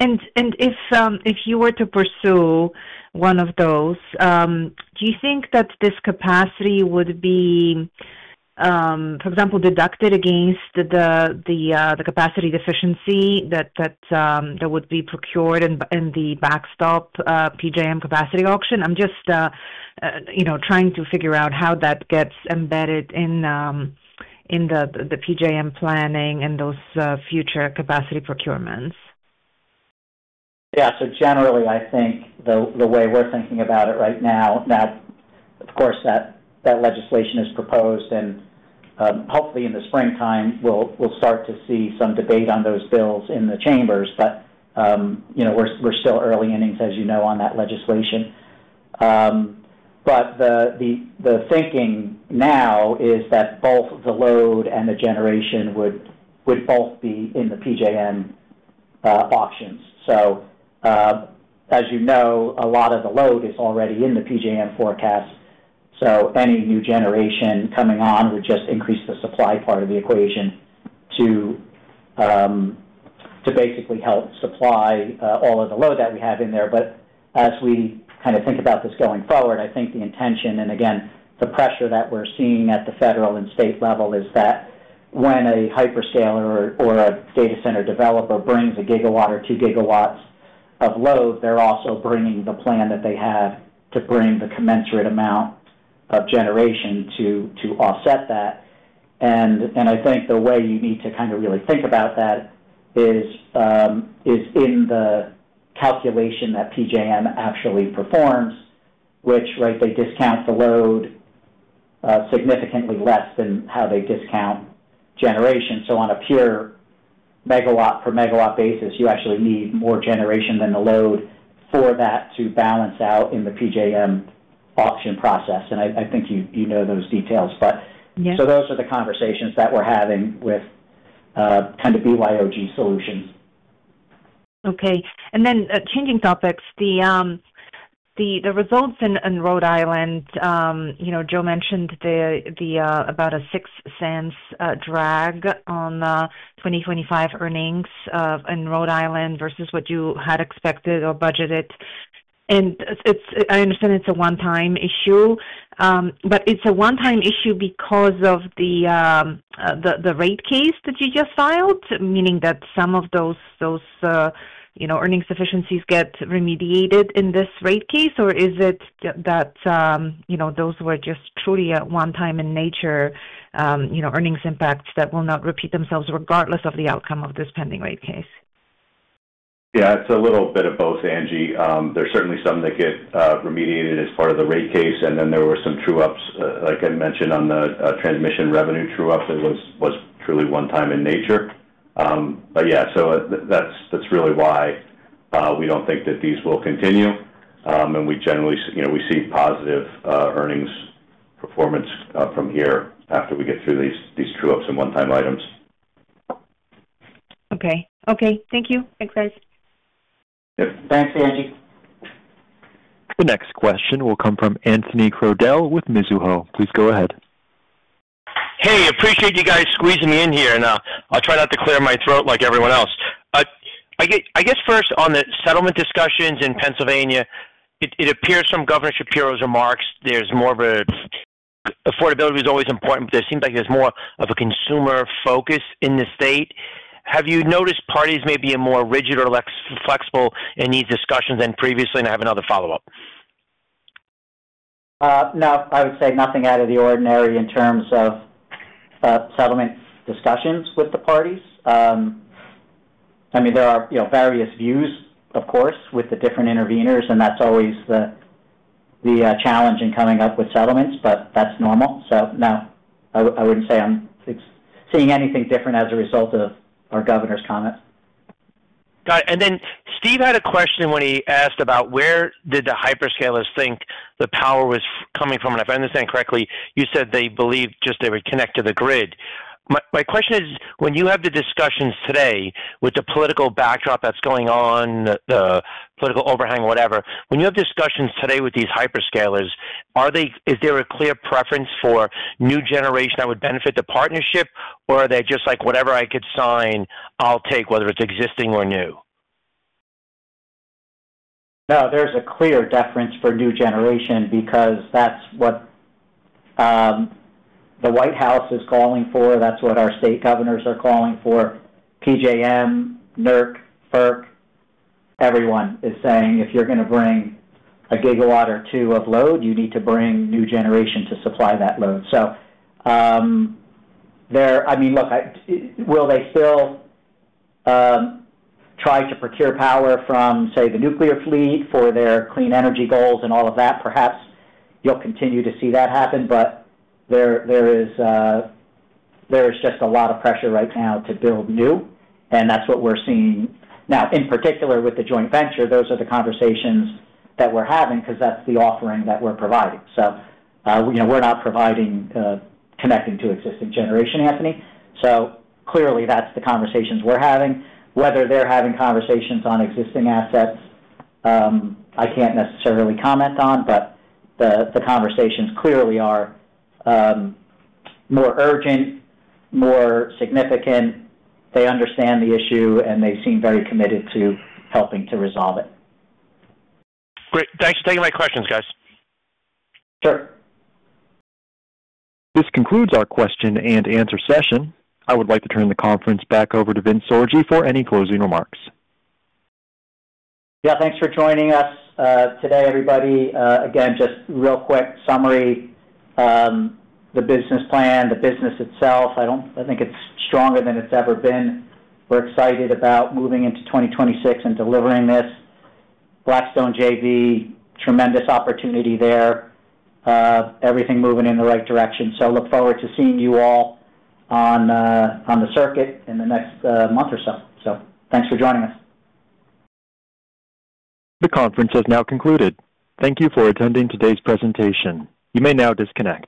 [SPEAKER 11] If you were to pursue one of those, do you think that this capacity would be, for example, deducted against the capacity deficiency that would be procured in the backstop PJM capacity auction? I'm just, you know, trying to figure out how that gets embedded in the PJM planning and those future capacity procurements.
[SPEAKER 3] Yeah. So generally, I think the way we're thinking about it right now, that of course that legislation is proposed and hopefully in the springtime, we'll start to see some debate on those bills in the chambers. But you know, we're still early innings, as you know, on that legislation. But the thinking now is that both the load and the generation would both be in the PJM auctions. So as you know, a lot of the load is already in the PJM forecast, so any new generation coming on would just increase the supply part of the equation to basically help supply all of the load that we have in there. But as we kind of think about this going forward, I think the intention and again, the pressure that we're seeing at the federal and state level is that when a hyperscaler or a data center developer brings 1 GW or 2 GW of load, they're also bringing the plan that they have to bring the commensurate amount of generation to offset that. And I think the way you need to kind of really think about that is in the calculation that PJM actually performs, which, right, they discount the load significantly less than how they discount generation. So on a pure megawatt per megawatt basis, you actually need more generation than the load for that to balance out in the PJM auction process. And I think you know those details, but those are the conversations that we're having with kind of BYOG solutions.
[SPEAKER 11] Okay. And then, changing topics. The results in Rhode Island, you know, Joe mentioned about a $0.06 drag on 2025 earnings in Rhode Island versus what you had expected or budgeted. I understand it's a one-time issue, but it's a one-time issue because of the rate case that you just filed, meaning that some of those, you know, earnings deficiencies get remediated in this rate case? Or is it that, you know, those were just truly a one-time in nature, you know, earnings impacts that will not repeat themselves regardless of the outcome of this pending rate case?
[SPEAKER 4] Yeah, it's a little bit of both, Angie. There's certainly some that get remediated as part of the rate case, and then there were some true ups, like I mentioned on the transmission revenue true up, that was truly one time in nature. But yeah, so that's really why we don't think that these will continue. And we generally, you know, we see positive earnings performance from here after we get through these true ups and one-time items.
[SPEAKER 11] Okay, thank you. Thanks, guys.
[SPEAKER 3] Yep. Thanks, Angie.
[SPEAKER 1] The next question will come from Anthony Crowdell with Mizuho. Please go ahead.
[SPEAKER 12] Hey, appreciate you guys squeezing me in here, and, I'll try not to clear my throat like everyone else. I guess first on the settlement discussions in Pennsylvania, it appears from Governor Shapiro's remarks there's more of a-- Affordability is always important, but there seems like there's more of a consumer focus in the state. Have you noticed parties may be more rigid or less flexible in these discussions than previously? And I have another follow-up.
[SPEAKER 3] No, I would say nothing out of the ordinary in terms of settlement discussions with the parties. I mean, there are, you know, various views, of course, with the different interveners, and that's always the challenge in coming up with settlements, but that's normal. So no, I wouldn't say I'm seeing anything different as a result of our governor's comments.
[SPEAKER 12] Got it. And then Steve had a question when he asked about where did the hyperscalers think the power was coming from? And if I understand correctly, you said they believed just they would connect to the grid. My, my question is, when you have the discussions today with the political backdrop that's going on the political overhang, whatever, when you have discussions today with these hyperscalers, is there a clear preference for new generation that would benefit the partnership? Or are they just like: Whatever I could sign, I'll take, whether it's existing or new?
[SPEAKER 3] No, there's a clear preference for new generation because that's what the White House is calling for. That's what our state governors are calling for. PJM, NERC, FERC, everyone is saying, if you're gonna bring 1 GW or 2 GW of load, you need to bring new generation to supply that load. So, there—I mean, look, will they still try to procure power from, say, the nuclear fleet for their clean energy goals and all of that? Perhaps you'll continue to see that happen, but there is just a lot of pressure right now to build new, and that's what we're seeing. Now, in particular, with the joint venture, those are the conversations that we're having because that's the offering that we're providing. So, you know, we're not providing, connecting to existing generation, Anthony. So clearly, that's the conversations we're having. Whether they're having conversations on existing assets, I can't necessarily comment on, but the conversations clearly are more urgent, more significant. They understand the issue, and they seem very committed to helping to resolve it.
[SPEAKER 12] Great. Thanks for taking my questions, guys.
[SPEAKER 3] Sure.
[SPEAKER 1] This concludes our question-and-answer session. I would like to turn the conference back over to Vince Sorgi for any closing remarks.
[SPEAKER 3] Yeah, thanks for joining us, today, everybody. Again, just real quick summary, the business plan, the business itself, I don't I think it's stronger than it's ever been. We're excited about moving into 2026 and delivering this. Blackstone JV, tremendous opportunity there. Everything moving in the right direction. So look forward to seeing you all on the circuit in the next, month or so. So thanks for joining us.
[SPEAKER 1] The conference has now concluded. Thank you for attending today's presentation. You may now disconnect.